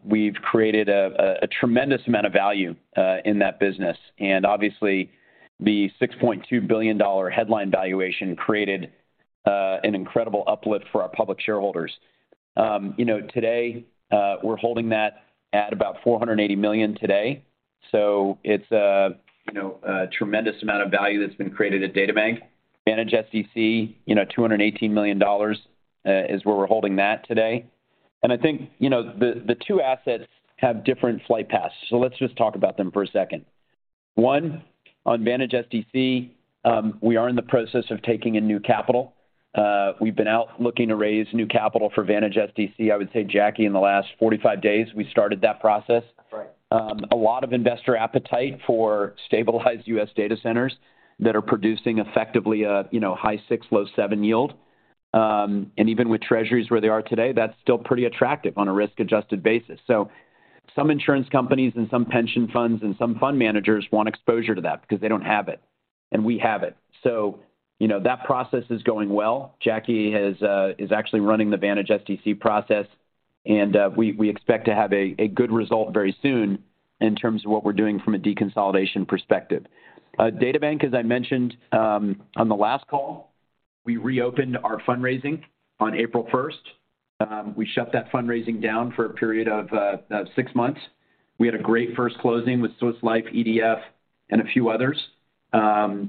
[SPEAKER 3] We've created a tremendous amount of value in that business. Obviously the $6.2 billion headline valuation created an incredible uplift for our public shareholders. You know, today, we're holding that at about $480 million today, so it's a, you know, a tremendous amount of value that's been created at DataBank. Vantage SDC, you know, $218 million, is where we're holding that today. I think, you know, the two assets have different flight paths. Let's just talk about them for a second. One, on Vantage SDC, we are in the process of taking in new capital. We've been out looking to raise new capital for Vantage SDC, I would say, Jacky, in the last 45 days, we started that process.
[SPEAKER 4] That's right.
[SPEAKER 3] A lot of investor appetite for stabilized U.S. data centers that are producing effectively a, you know, high six, low seven yield. Even with treasuries where they are today, that's still pretty attractive on a risk-adjusted basis. Some insurance companies and some pension funds and some fund managers want exposure to that because they don't have it, and we have it. You know, that process is going well. Jacky has, is actually running the Vantage SDC process, and we expect to have a good result very soon in terms of what we're doing from a deconsolidation perspective. DataBank, as I mentioned, on the last call. We reopened our fundraising on April 1st. We shut that fundraising down for a period of six months. We had a great first closing with Swiss Life, EDF, and a few others. Now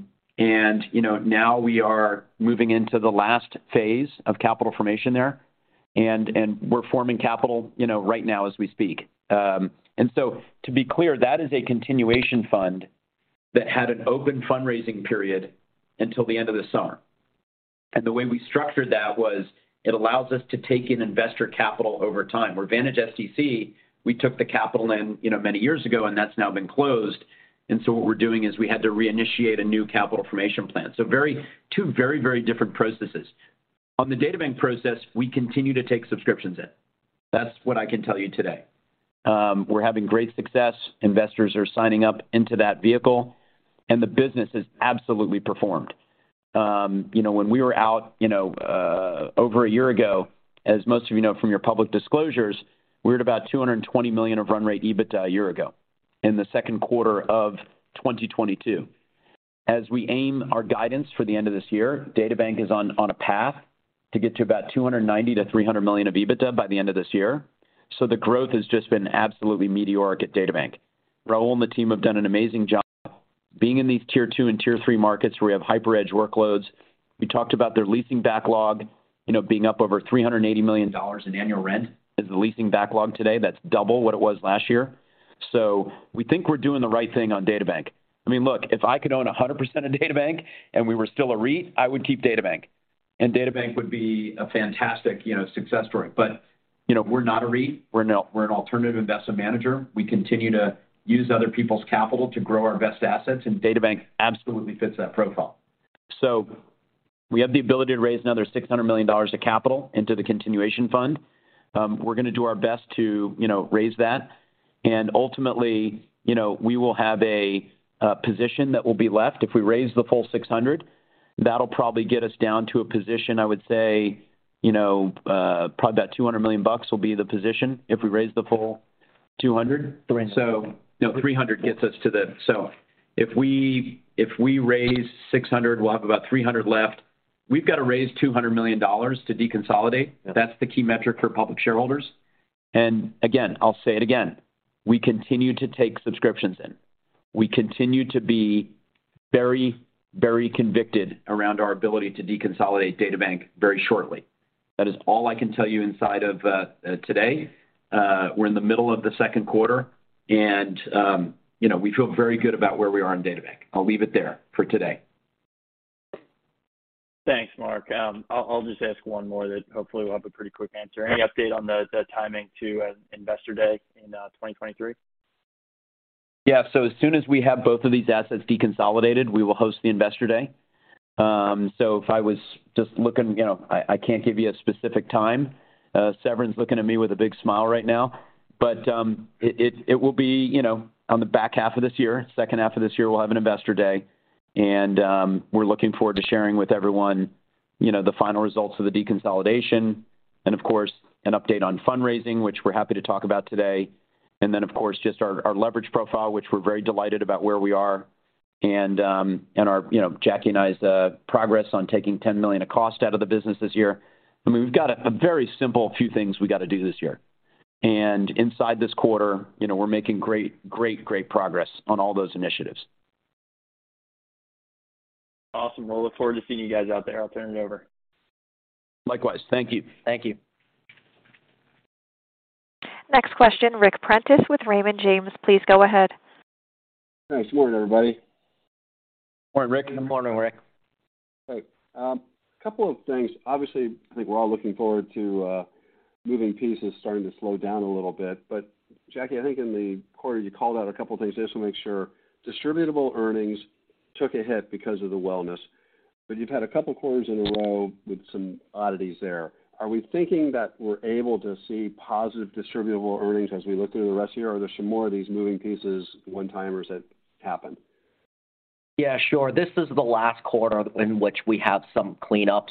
[SPEAKER 3] we are moving into the last phase of capital formation there, and we're forming capital, you know, right now as we speak. To be clear, that is a continuation fund that had an open fundraising period until the end of the summer. The way we structured that was it allows us to take in investor capital over time. Where Vantage SDC, we took the capital in, you know, many years ago, and that's now been closed. What we're doing is we had to reinitiate a new capital formation plan. Two very different processes. On the DataBank process, we continue to take subscriptions in. That's what I can tell you today. We're having great success. Investors are signing up into that vehicle, and the business has absolutely performed. You know, when we were out, you know, over a year ago, as most of you know from your public disclosures, we're at about $220 million of run rate EBITDA a year ago in the second quarter of 2022. As we aim our guidance for the end of this year, DataBank is on a path to get to about $290 million-$300 million of EBITDA by the end of this year. The growth has just been absolutely meteoric at DataBank. Raul and the team have done an amazing job being in these tier two and tier three markets where we have hyper edge workloads. We talked about their leasing backlog, you know, being up over $380 million in annual rent is the leasing backlog today. That's double what it was last year. We think we're doing the right thing on DataBank. I mean, look, if I could own 100% of DataBank and we were still a REIT, I would keep DataBank, and DataBank would be a fantastic, you know, success story. You know, we're not a REIT, we're an alternative investment manager. We continue to use other people's capital to grow our best assets, and DataBank absolutely fits that profile. We have the ability to raise another $600 million of capital into the continuation fund. We're gonna do our best to, you know, raise that. Ultimately, you know, we will have a position that will be left. If we raise the full 600, that'll probably get us down to a position, I would say, you know, probably about $200 million will be the position if we raise the full 200.
[SPEAKER 4] 300.
[SPEAKER 3] No, 300 gets us to if we raise 600, we'll have about 300 left. We've got to raise $200 million to deconsolidate.
[SPEAKER 4] Yeah.
[SPEAKER 3] That's the key metric for public shareholders. Again, I'll say it again, we continue to take subscriptions in. We continue to be very convicted around our ability to deconsolidate DataBank very shortly. That is all I can tell you inside of today. We're in the middle of the second quarter, you know, we feel very good about where we are in DataBank. I'll leave it there for today.
[SPEAKER 7] Thanks, Marc. I'll just ask one more that hopefully will have a pretty quick answer. Any update on the timing to an Investor Day in 2023?
[SPEAKER 3] So as soon as we have both of these assets deconsolidated, we will host the Investor Day. If I was just looking, you know, I can't give you a specific time. Severin's looking at me with a big smile right now. It will be, you know, on the back half of this year, second half of this year, we'll have an Investor Day. We're looking forward to sharing with everyone, you know, the final results of the deconsolidation and, of course, an update on fundraising, which we're happy to talk about today. Of course, just our leverage profile, which we're very delighted about where we are and our, you know, Jacky and I's progress on taking $10 million of cost out of the business this year. I mean, we've got a very simple few things we got to do this year. Inside this quarter, you know, we're making great progress on all those initiatives.
[SPEAKER 7] Awesome. We'll look forward to seeing you guys out there. I'll turn it over.
[SPEAKER 3] Likewise. Thank you.
[SPEAKER 7] Thank you.
[SPEAKER 1] Next question, Ric Prentiss with Raymond James. Please go ahead.
[SPEAKER 8] Good morning, everybody.
[SPEAKER 3] Morning, Ric.
[SPEAKER 4] Good morning, Ric.
[SPEAKER 8] Great. couple of things. Obviously, I think we're all looking forward to moving pieces starting to slow down a little bit. Jacky, I think in the quarter you called out a couple of things just to make sure distributable earnings took a hit because of the wellness. You've had a couple of quarters in a row with some oddities there. Are we thinking that we're able to see positive distributable earnings as we look through the rest of the year? Are there some more of these moving pieces, one-timers that happen?
[SPEAKER 4] Yeah, sure. This is the last quarter in which we have some cleanups.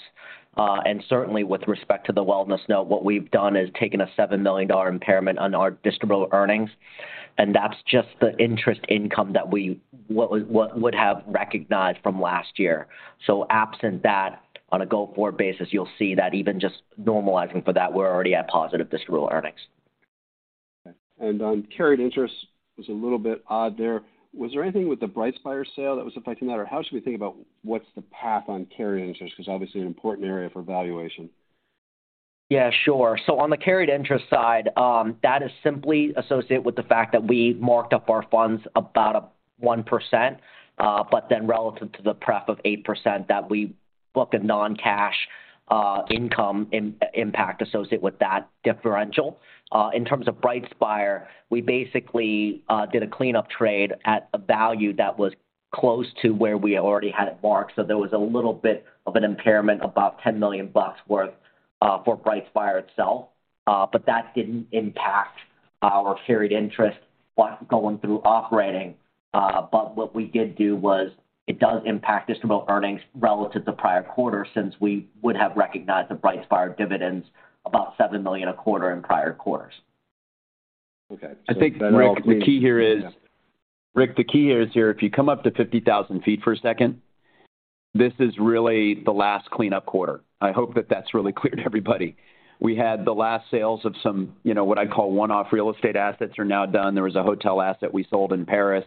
[SPEAKER 4] Certainly with respect to the wellness note, what we've done is taken a $7 million impairment on our distributable earnings, and that's just the interest income that we would have recognized from last year. Absent that, on a go-forward basis, you'll see that even just normalizing for that, we're already at positive distributable earnings.
[SPEAKER 8] Okay. carried interest was a little bit odd there. Was there anything with the BrightSpire sale that was affecting that? How should we think about what's the path on carried interest? Obviously an important area for valuation.
[SPEAKER 4] Yeah, sure. On the carried interest side, that is simply associated with the fact that we marked up our funds about 1%, relative to the prep of 8% that we booked a non-cash income impact associated with that differential. In terms of BrightSpire, we basically did a cleanup trade at a value that was close to where we already had it marked. There was a little bit of an impairment, about $10 million worth, for BrightSpire itself. That didn't impact our carried interest while going through operating. What we did do was it does impact distributable earnings relative to prior quarters since we would have recognized the BrightSpire dividends about $7 million a quarter in prior quarters.
[SPEAKER 8] Okay.
[SPEAKER 3] I think, Ric, the key here is.
[SPEAKER 8] Yeah.
[SPEAKER 3] Ric, the key here is here, if you come up to 50,000 ft for a second, this is really the last cleanup quarter. I hope that that's really clear to everybody. We had the last sales of some, you know, what I'd call one-off real estate assets are now done. There was a hotel asset we sold in Paris.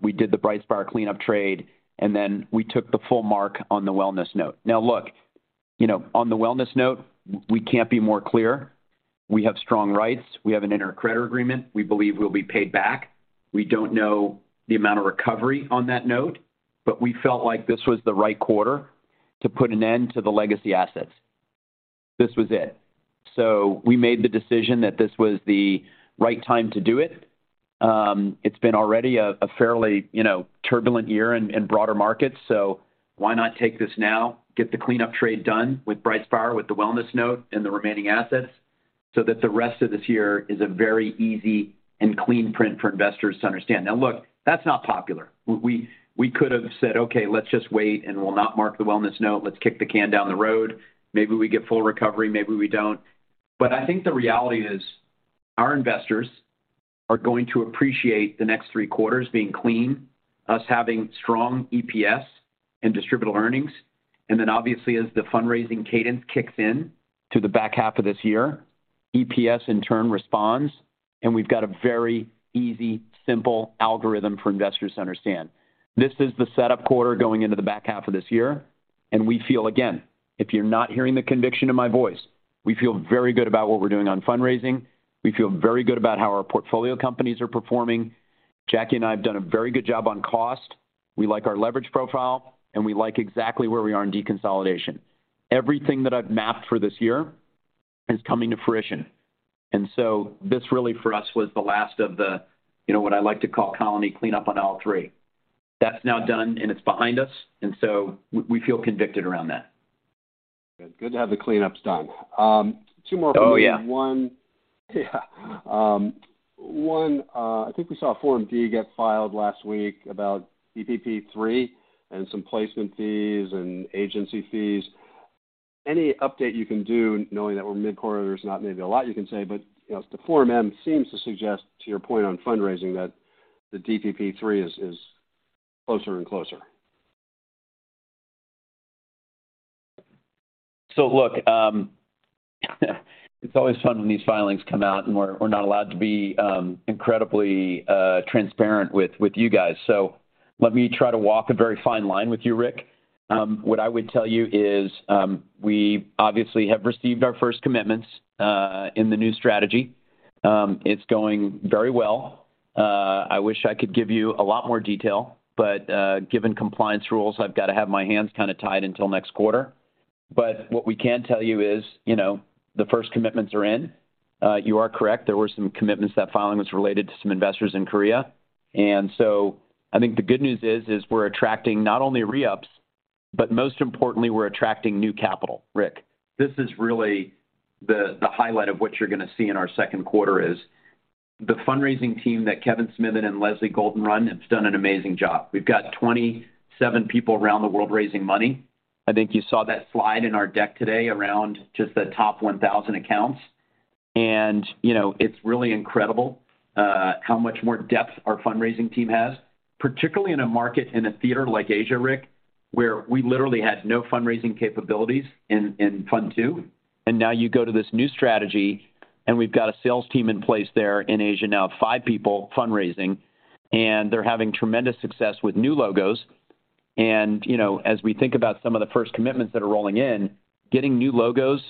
[SPEAKER 3] We did the BrightSpire cleanup trade, and then we took the full mark on the wellness note. Now, look, you know, on the wellness note, we can't be more clear. We have strong rights. We have an intercreditor agreement. We believe we'll be paid back. We don't know the amount of recovery on that note, but we felt like this was the right quarter to put an end to the legacy assets. This was it. We made the decision that this was the right time to do it. It's been already a fairly, you know, turbulent year in broader markets, why not take this now, get the cleanup trade done with BrightSpire, with the wellness note and the remaining assets, so that the rest of this year is a very easy and clean print for investors to understand. Look, that's not popular. We could have said, "Okay, let's just wait, and we'll not mark the wellness note. Let's kick the can down the road. Maybe we get full recovery, maybe we don't." I think the reality is our investors are going to appreciate the next three quarters being clean, us having strong EPS and distributable earnings. Then obviously, as the fundraising cadence kicks in to the back half of this year, EPS in turn responds, and we've got a very easy, simple algorithm for investors to understand. This is the setup quarter going into the back half of this year, and we feel again, if you're not hearing the conviction in my voice, we feel very good about what we're doing on fundraising. We feel very good about how our portfolio companies are performing. Jacky and I have done a very good job on cost. We like our leverage profile, and we like exactly where we are in deconsolidation. Everything that I've mapped for this year is coming to fruition. This really, for us, was the last of the, you know, what I like to call Colony cleanup on all three. That's now done, and it's behind us, and so we feel convicted around that.
[SPEAKER 8] Good to have the cleanups done. Two more for me.
[SPEAKER 3] Oh, yeah.
[SPEAKER 8] Yeah. I think we saw a Form D get filed last week about DBP III and some placement fees and agency fees. Any update you can do knowing that we're mid-quarter, there's not maybe a lot you can say, but, you know, the Form D seems to suggest, to your point on fundraising, that the DBP III is closer and closer.
[SPEAKER 3] Look, it's always fun when these filings come out, and we're not allowed to be incredibly transparent with you guys. Let me try to walk a very fine line with you, Ric. What I would tell you is, we obviously have received our first commitments in the new strategy. It's going very well. I wish I could give you a lot more detail, but given compliance rules, I've got to have my hands kinda tied until next quarter. What we can tell you is, you know, the first commitments are in. You are correct, there were some commitments. That filing was related to some investors in Korea. I think the good news is we're attracting not only re-ups, but most importantly, we're attracting new capital, Ric. This is really the highlight of what you're gonna see in our second quarter is the fundraising team that Kevin Smithen and Leslie Golden run has done an amazing job. We've got 27 people around the world raising money. I think you saw that slide in our deck today around just the top 1,000 accounts. You know, it's really incredible how much more depth our fundraising team has, particularly in a market, in a theater like Asia, Ric, where we literally had no fundraising capabilities in Fund 2. Now you go to this new strategy, and we've got a sales team in place there in Asia now, five people fundraising, and they're having tremendous success with new logos. You know, as we think about some of the first commitments that are rolling in, getting new logos,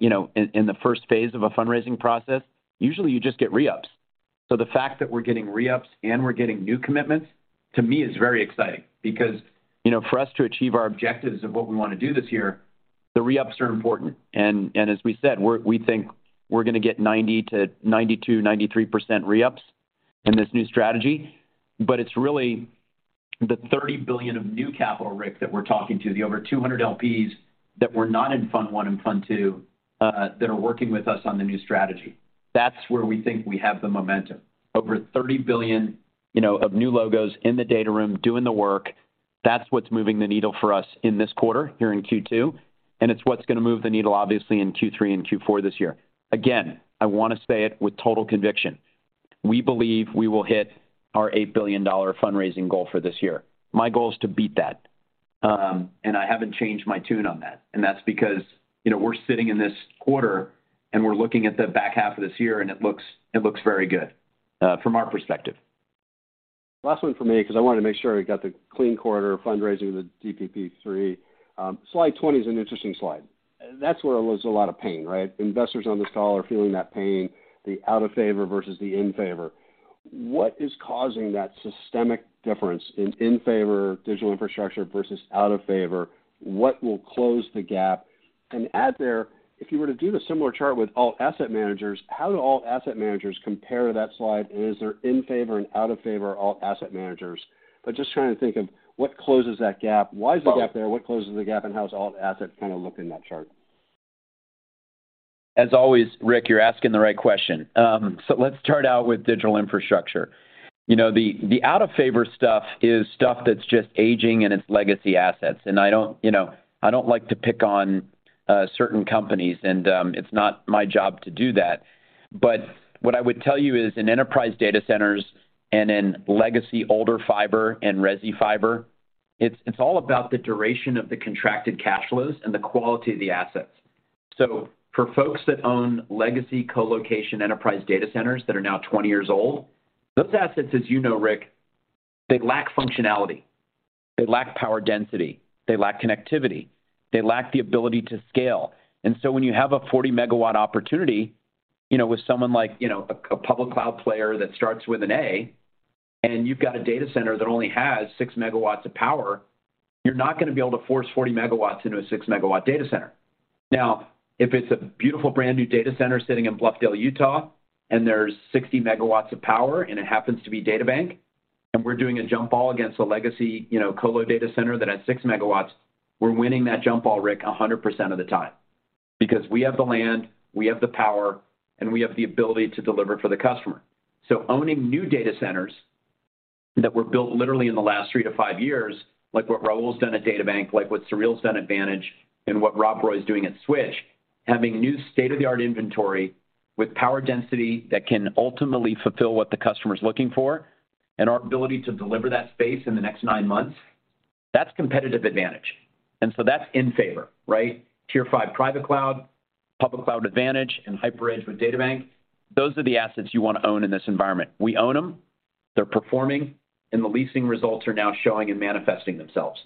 [SPEAKER 3] you know, in the first phase of a fundraising process, usually you just get re-ups. The fact that we're getting re-ups and we're getting new commitments, to me is very exciting because, you know, for us to achieve our objectives of what we want to do this year, the re-ups are important. As we said, we think we're gonna get 90%-92%, 93% re-ups in this new strategy. It's really the $30 billion of new capital, Ric, that we're talking to, the over 200 LPs that were not in Fund 1 and Fund 2, that are working with us on the new strategy. That's where we think we have the momentum. Over $30 billion, you know, of new logos in the data room doing the work. That's what's moving the needle for us in this quarter here in Q2, and it's what's gonna move the needle, obviously, in Q3 and Q4 this year. Again, I want to say it with total conviction. We believe we will hit our $8 billion fundraising goal for this year. My goal is to beat that, and I haven't changed my tune on that. That's because, you know, we're sitting in this quarter, and we're looking at the back half of this year, and it looks very good from our perspective.
[SPEAKER 8] Last one for me because I wanted to make sure we got the clean quarter fundraising, the DBP III. Slide 20 is an interesting slide. That's where there was a lot of pain, right? Investors on this call are feeling that pain, the out of favor versus the in favor. What is causing that systemic difference in in-favor digital infrastructure versus out-of-favor? What will close the gap? Add there, if you were to do the similar chart with alt asset managers, how do alt asset managers compare to that slide? Is there in favor and out of favor alt asset managers? Just trying to think of what closes that gap. Why is the gap there? What closes the gap, and how does alt assets kind of look in that chart?
[SPEAKER 3] As always, Ric, you're asking the right question. Let's start out with digital infrastructure. You know, the out-of-favor stuff is stuff that's just aging, and it's legacy assets. I don't, you know, I don't like to pick on certain companies, and it's not my job to do that. What I would tell you is in enterprise data centers and in legacy older fiber and resi fiber, it's all about the duration of the contracted cash flows and the quality of the assets. For folks that own legacy colocation enterprise data centers that are now 20 years old, those assets, as you know, Ric, they lack functionality, they lack power density, they lack connectivity, they lack the ability to scale. When you have a 40 MW opportunity, you know, with someone like, you know, a public cloud player that starts with an A, and you've got a data center that only has 6 MW of power, you're not gonna be able to force 40 MW into a 6 MW data center. Now, if it's a beautiful brand-new data center sitting in Bluffdale, Utah, and there's 60 MW of power, and it happens to be DataBank, and we're doing a jump ball against a legacy, you know, colo data center that has 6 MW, we're winning that jump ball, Ric, 100% of the time because we have the land, we have the power, and we have the ability to deliver for the customer. Owning new data centers that were built literally in the last three to five years, like what Raul's done at DataBank, like what Sureel's done at Vantage, and what Rob Roy's doing at Switch, having new state-of-the-art inventory with power density that can ultimately fulfill what the customer's looking for and our ability to deliver that space in the next nine months, that's competitive advantage. That's in favor, right? Tier 5 private cloud, public cloud advantage, and hyper edge with DataBank, those are the assets you wanna own in this environment. We own them, they're performing, and the leasing results are now showing and manifesting themselves.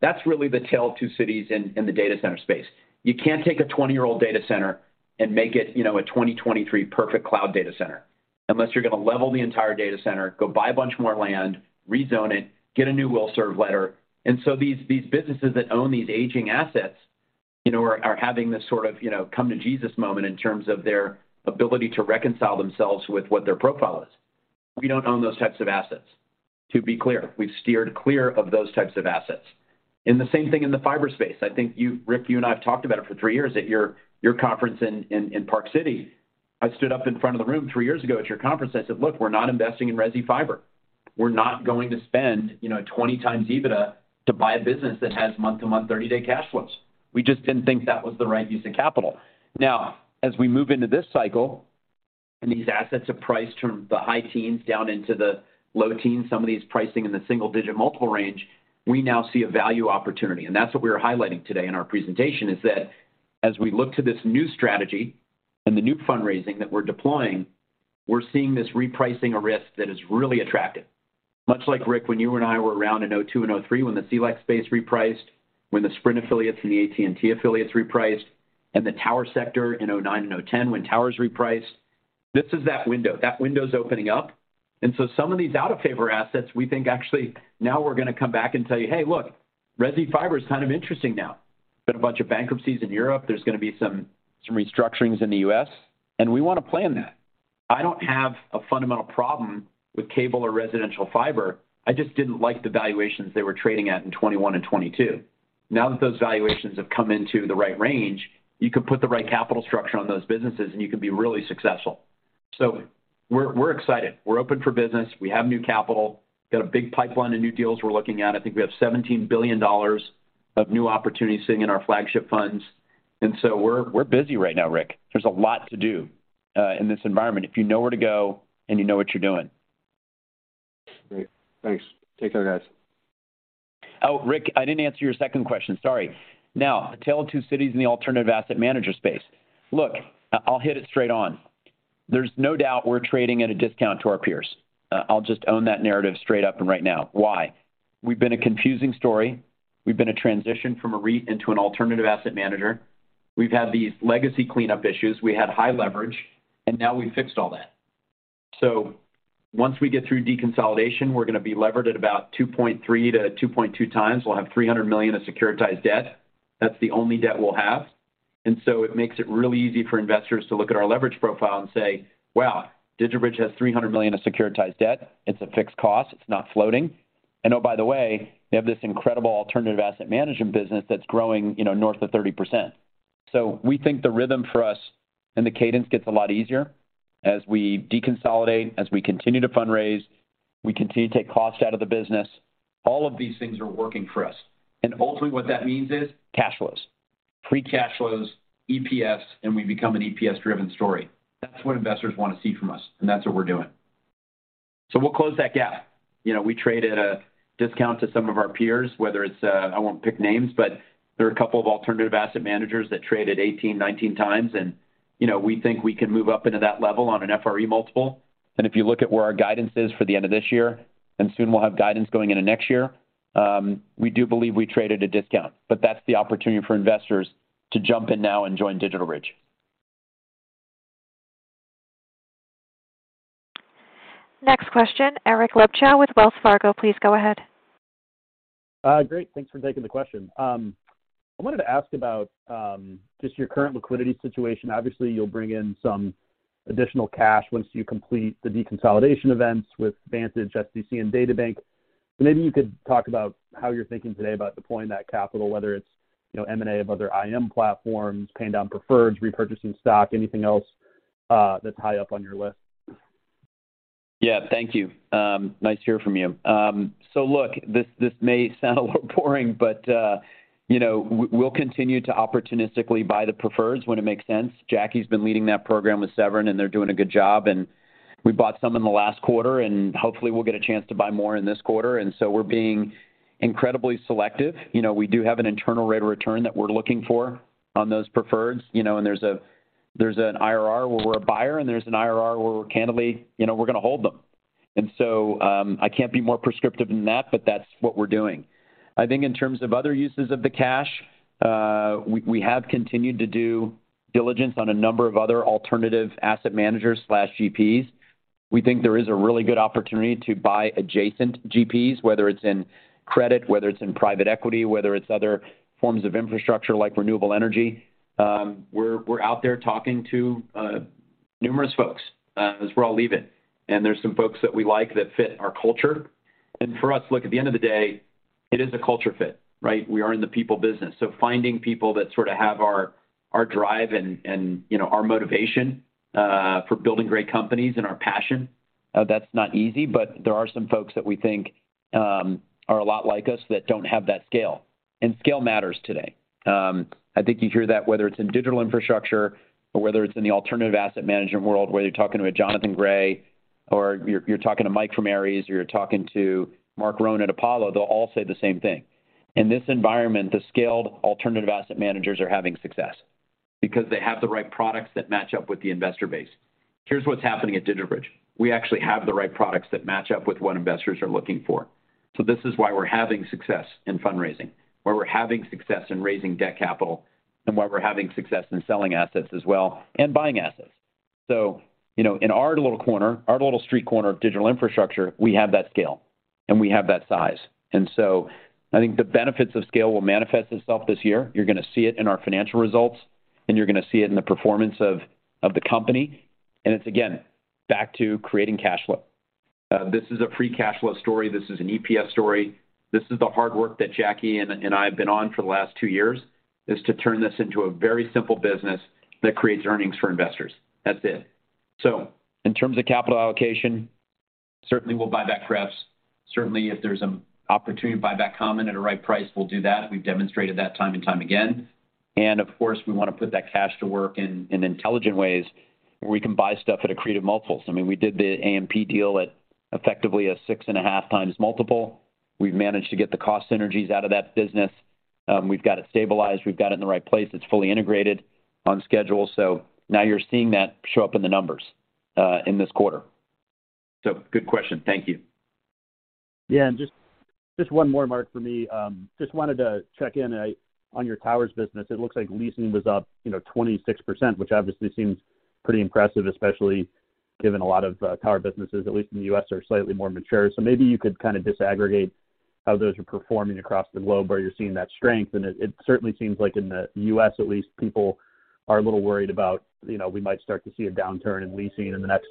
[SPEAKER 3] That's really the Tale of Two Cities in the data center space. You can't take a 20-year-old data center and make it, you know, a 2023 perfect cloud data center unless you're gonna level the entire data center, go buy a bunch more land, rezone it, get a new will serve letter. These businesses that own these aging assets, you know, are having this sort of, you know, come to Jesus moment in terms of their ability to reconcile themselves with what their profile is. We don't own those types of assets, to be clear. We've steered clear of those types of assets. The same thing in the fiber space. I think Ric, you and I have talked about it for three years at your conference in Park City. I stood up in front of the room three years ago at your conference, I said, "Look, we're not investing in resi fiber. We're not going to spend, you know, 20 times EBITDA to buy a business that has month-to-month 30-day cash flows. We just didn't think that was the right use of capital. Now, as we move into this cycle, and these assets have priced from the high teens down into the low teens, some of these pricing in the single-digit multiple range, we now see a value opportunity. That's what we're highlighting today in our presentation, is that as we look to this new strategy and the new fundraising that we're deploying, we're seeing this repricing risk that is really attractive. Much like, Ric, when you and I were around in 2002 and 2003 when the CLEC space repriced, when the Sprint affiliates and the AT&T affiliates repriced, and the tower sector in 2009 and 2010 when towers repriced. This is that window. That window's opening up. Some of these out-of-favor assets, we think actually now we're going to come back and tell you, "Hey, look, resi fiber is kind of interesting now." Been a bunch of bankruptcies in Europe. There's going to be some restructurings in the U.S., and we want to plan that. I don't have a fundamental problem with cable or residential fiber. I just didn't like the valuations they were trading at in 2021 and 2022. Now that those valuations have come into the right range, you can put the right capital structure on those businesses, and you can be really successful. We're excited. We're open for business. We have new capital. Got a big pipeline of new deals we're looking at. I think we have $17 billion of new opportunities sitting in our flagship funds. We're busy right now, Ric. There's a lot to do, in this environment if you know where to go and you know what you're doing.
[SPEAKER 8] Great. Thanks. Take care, guys.
[SPEAKER 3] Ric, I didn't answer your second question. Sorry. The Tale of Two Cities in the alternative asset manager space. Look, I'll hit it straight on. There's no doubt we're trading at a discount to our peers. I'll just own that narrative straight up and right now. Why? We've been a confusing story. We've been a transition from a REIT into an alternative asset manager. We've had these legacy cleanup issues. We had high leverage, now we've fixed all that. Once we get through deconsolidation, we're going to be levered at about 2.3-2.2x. We'll have $300 million of securitized debt. That's the only debt we'll have. It makes it really easy for investors to look at our leverage profile and say, "Wow, DigitalBridge has $300 million of securitized debt. It's a fixed cost. It's not floating. Oh, by the way, they have this incredible alternative asset management business that's growing, you know, north of 30%. We think the rhythm for us and the cadence gets a lot easier as we deconsolidate, as we continue to fundraise, we continue to take costs out of the business. All of these things are working for us. Ultimately, what that means is cash flows. Free cash flows, EPS, and we become an EPS-driven story. That's what investors wanna see from us, and that's what we're doing. We'll close that gap. You know, we trade at a discount to some of our peers, whether it's, I won't pick names, but there are a couple of alternative asset managers that trade at 18, 19 times and, you know, we think we can move up into that level on an FRE multiple. If you look at where our guidance is for the end of this year, and soon we'll have guidance going into next year, we do believe we trade at a discount. That's the opportunity for investors to jump in now and join DigitalBridge.
[SPEAKER 1] Next question, Eric Luebchow with Wells Fargo. Please go ahead.
[SPEAKER 9] Great. Thanks for taking the question. I wanted to ask about just your current liquidity situation. Obviously, you'll bring in some additional cash once you complete the deconsolidation events with Vantage SDC, and DataBank. Maybe you could talk about how you're thinking today about deploying that capital, whether it's, you know, M&A of other IM platforms, paying down preferreds, repurchasing stock, anything else that's high up on your list.
[SPEAKER 3] Yeah. Thank you. nice to hear from you. Look, this may sound a little boring, but, you know, we'll continue to opportunistically buy the preferreds when it makes sense. Jacky's been leading that program with Severin, and they're doing a good job. We bought some in the last quarter, and hopefully we'll get a chance to buy more in this quarter. We're being incredibly selective. You know, we do have an internal rate of return that we're looking for on those preferreds, you know, and there's a, there's an IRR where we're a buyer, and there's an IRR where we're candidly, you know, we're gonna hold them. I can't be more prescriptive than that, but that's what we're doing. I think in terms of other uses of the cash, we have continued to do diligence on a number of other alternative asset managers/GPs. We think there is a really good opportunity to buy adjacent GPs, whether it's in credit, whether it's in private equity, whether it's other forms of infrastructure like renewable energy. We're out there talking to numerous folks as we're all leaving. There's some folks that we like that fit our culture. For us, look, at the end of the day, it is a culture fit, right? We are in the people business. Finding people that sort of have our drive and, you know, our motivation for building great companies and our passion, that's not easy. There are some folks that we think are a lot like us that don't have that scale, and scale matters today. I think you hear that whether it's in digital infrastructure or whether it's in the alternative asset management world, whether you're talking to a Jonathan Gray or you're talking to Mike from Ares, or you're talking to Marc Rowan at Apollo, they'll all say the same thing. In this environment, the scaled alternative asset managers are having success because they have the right products that match up with the investor base. Here's what's happening at DigitalBridge. We actually have the right products that match up with what investors are looking for. This is why we're having success in fundraising, why we're having success in raising debt capital, and why we're having success in selling assets as well, and buying assets. you know, in our little corner, our little street corner of digital infrastructure, we have that scale and we have that size. I think the benefits of scale will manifest itself this year. You're gonna see it in our financial results, and you're gonna see it in the performance of the company. It's again, back to creating cash flow. This is a free cash flow story. This is an EPS story. This is the hard work that Jacky and I have been on for the last two years, is to turn this into a very simple business that creates earnings for investors. That's it. In terms of capital allocation, certainly we'll buy back prefs. Certainly, if there's an opportunity to buy back common at a right price, we'll do that. We've demonstrated that time and time again. Of course, we wanna put that cash to work in intelligent ways where we can buy stuff at accretive multiples. I mean, we did the AMP deal at effectively a 6.5x multiple. We've managed to get the cost synergies out of that business. We've got it stabilized. We've got it in the right place. It's fully integrated on schedule. Now you're seeing that show up in the numbers in this quarter. Good question. Thank you.
[SPEAKER 9] Yeah. Just one more, Marc Ganzi, for me. Just wanted to check in on your towers business. It looks like leasing was up, you know, 26%, which obviously seems pretty impressive, especially given a lot of tower businesses, at least in the U.S., are slightly more mature. Maybe you could kinda disaggregate how those are performing across the globe, where you're seeing that strength. It certainly seems like in the U.S. at least, people are a little worried about, you know, we might start to see a downturn in leasing in the next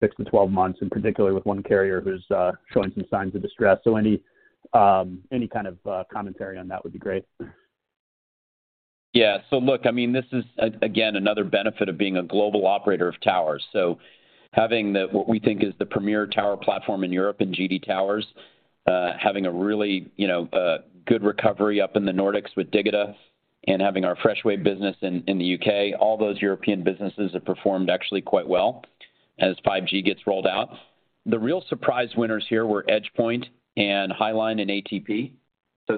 [SPEAKER 9] six to 12 months, and particularly with one carrier who's showing some signs of distress. Any kind of commentary on that would be great.
[SPEAKER 3] Yeah. Look, I mean, this is again, another benefit of being a global operator of towers. Having what we think is the premier tower platform in Europe in GD Towers, having a really, you know, good recovery up in the Nordics with Digita and having our Freshwave business in the U.K., all those European businesses have performed actually quite well as 5G gets rolled out. The real surprise winners here were EdgePoint and Highline and ATP.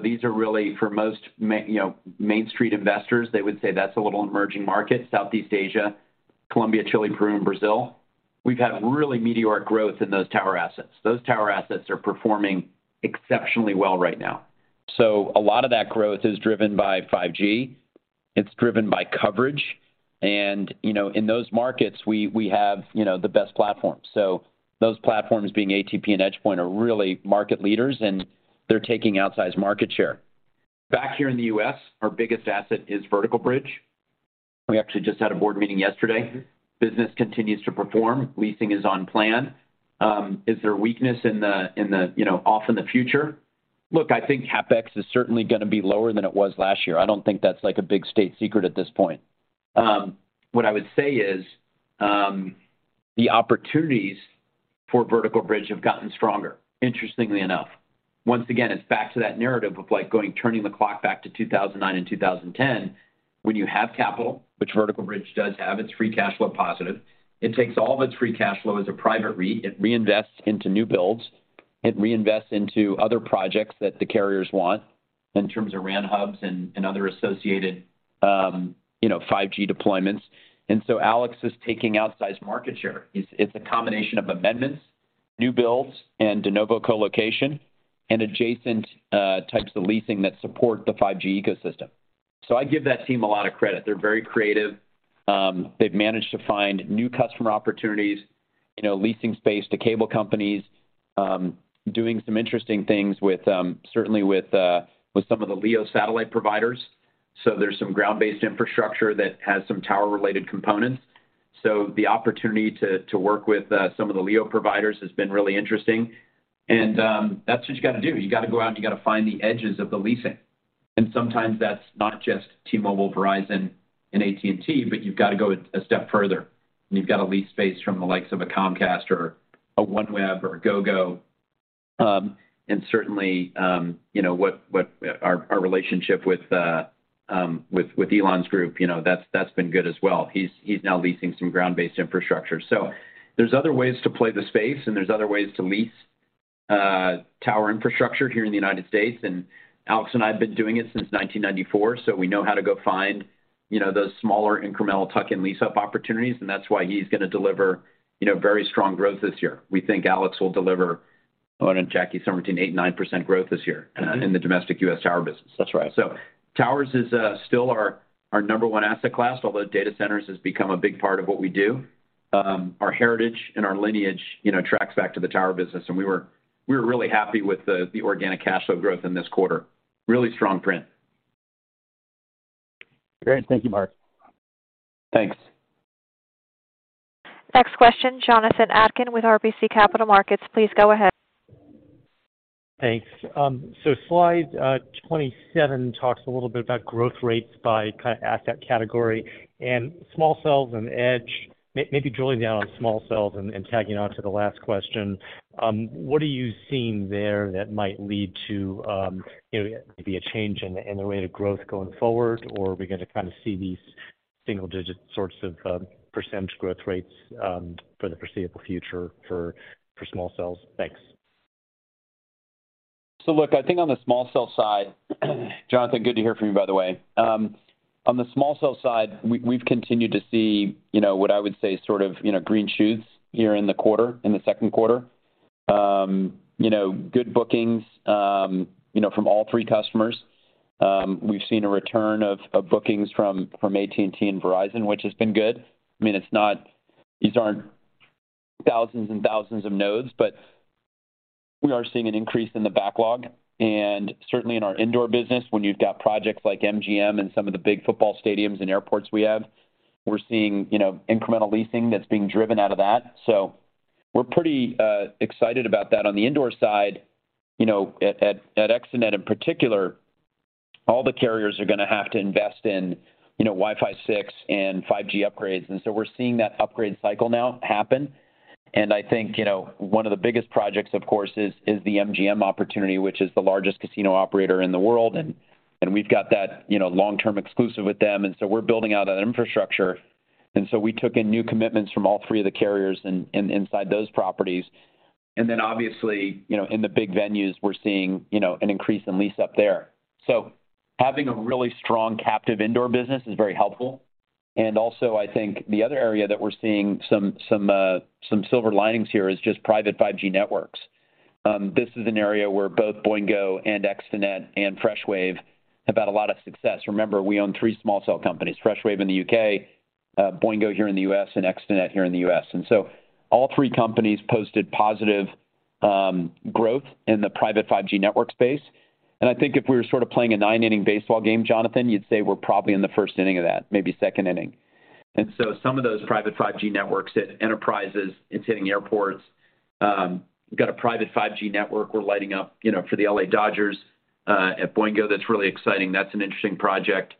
[SPEAKER 3] These are really for most, you know, Main Street investors, they would say that's a little emerging market. Southeast Asia, Colombia, Chile, Peru, and Brazil. We've had really meteoric growth in those tower assets. Those tower assets are performing exceptionally well right now. A lot of that growth is driven by 5G. It's driven by coverage. You know, in those markets, we have, you know, the best platform. Those platforms, being ATP and EdgePoint, are really market leaders, and they're taking outsized market share. Back here in the U.S., our biggest asset is Vertical Bridge. We actually just had a board meeting yesterday. Business continues to perform. Leasing is on plan. Is there weakness in the, you know, off in the future? Look, I think CapEx is certainly gonna be lower than it was last year. I don't think that's, like, a big state secret at this point. What I would say is, the opportunities for Vertical Bridge have gotten stronger, interestingly enough. Once again, it's back to that narrative of, like, turning the clock back to 2009 and 2010 when you have capital, which Vertical Bridge does have. It's free cash flow positive. It takes all of its free cash flow as a private REIT, it reinvests into new builds, it reinvests into other projects that the carriers want in terms of RAN hubs and other associated, you know, 5G deployments. Alex is taking outsized market share. It's a combination of amendments, new builds, and de novo co-location and adjacent types of leasing that support the 5G ecosystem. I give that team a lot of credit. They're very creative. They've managed to find new customer opportunities, you know, leasing space to cable companies, doing some interesting things with certainly with some of the LEO satellite providers. There's some ground-based infrastructure that has some tower-related components. The opportunity to work with some of the LEO providers has been really interesting. That's what you gotta do. You gotta go out and you gotta find the edges of the leasing. And sometimes that's not just T-Mobile, Verizon, and AT&T, but you've gotta go a step further, and you've gotta lease space from the likes of a Comcast or a OneWeb or a Gogo. Certainly, you know, what our relationship with Elon's group, you know, that's been good as well. He's now leasing some ground-based infrastructure. There's other ways to play the space, and there's other ways to lease tower infrastructure here in the United States. Alex and I have been doing it since 1994, so we know how to go find, you know, those smaller incremental tuck-in lease-up opportunities, and that's why he's gonna deliver, you know, very strong growth this year. We think Alex will deliver, oh, and Jacky, 17, 8, 9% growth this year.
[SPEAKER 9] Mm-hmm
[SPEAKER 3] In the domestic U.S. tower business.
[SPEAKER 9] That's right.
[SPEAKER 3] Towers is still our number one asset class, although data centers has become a big part of what we do. Our heritage and our lineage, you know, tracks back to the tower business, and we were really happy with the organic cash flow growth in this quarter. Really strong print.
[SPEAKER 9] Great. Thank you, Marc.
[SPEAKER 3] Thanks.
[SPEAKER 1] Next question, Jonathan Atkin with RBC Capital Markets. Please go ahead.
[SPEAKER 10] Thanks. Slide 27 talks a little bit about growth rates by asset category and small cells and Edge. Maybe drilling down on small cells and tagging on to the last question, what are you seeing there that might lead to, you know, maybe a change in the rate of growth going forward, or are we gonna kind of see these single-digit sorts of percentage growth rates for the foreseeable future for small cells? Thanks.
[SPEAKER 3] Look, I think on the small cell side, Jonathan, good to hear from you, by the way. On the small cell side, we've continued to see, you know, what I would say sort of, you know, green shoots here in the quarter, in the second quarter. You know, good bookings, you know, from all three customers. We've seen a return of bookings from AT&T and Verizon, which has been good. I mean, it's not these aren't thousands and thousands of nodes, but we are seeing an increase in the backlog. Certainly in our indoor business, when you've got projects like MGM and some of the big football stadiums and airports we have, we're seeing, you know, incremental leasing that's being driven out of that. We're pretty excited about that. On the indoor side, you know, at ExteNet in particular, all the carriers are gonna have to invest in, you know, Wi-Fi 6 and 5G upgrades. We're seeing that upgrade cycle now happen. I think, you know, one of the biggest projects, of course, is the MGM opportunity, which is the largest casino operator in the world. We've got that, you know, long-term exclusive with them, so we're building out that infrastructure. We took in new commitments from all three of the carriers inside those properties. Obviously, you know, in the big venues, we're seeing, you know, an increase in lease up there. Having a really strong captive indoor business is very helpful. I think the other area that we're seeing some silver linings here is just private 5G networks. This is an area where both Boingo and ExteNet and Freshwave have had a lot of success. Remember, we own three small cell companies, Freshwave in the U.K., Boingo here in the U.S., and ExteNet here in the U.S.. All three companies posted positive growth in the private 5G network space. I think if we were sort of playing a nine-inning baseball game, Jonathan, you'd say we're probably in the first inning of that, maybe second inning. Some of those private 5G networks at enterprises, it's hitting airports. We've got a private 5G network we're lighting up, you know, for the L.A. Dodgers at Boingo. That's really exciting. That's an interesting project.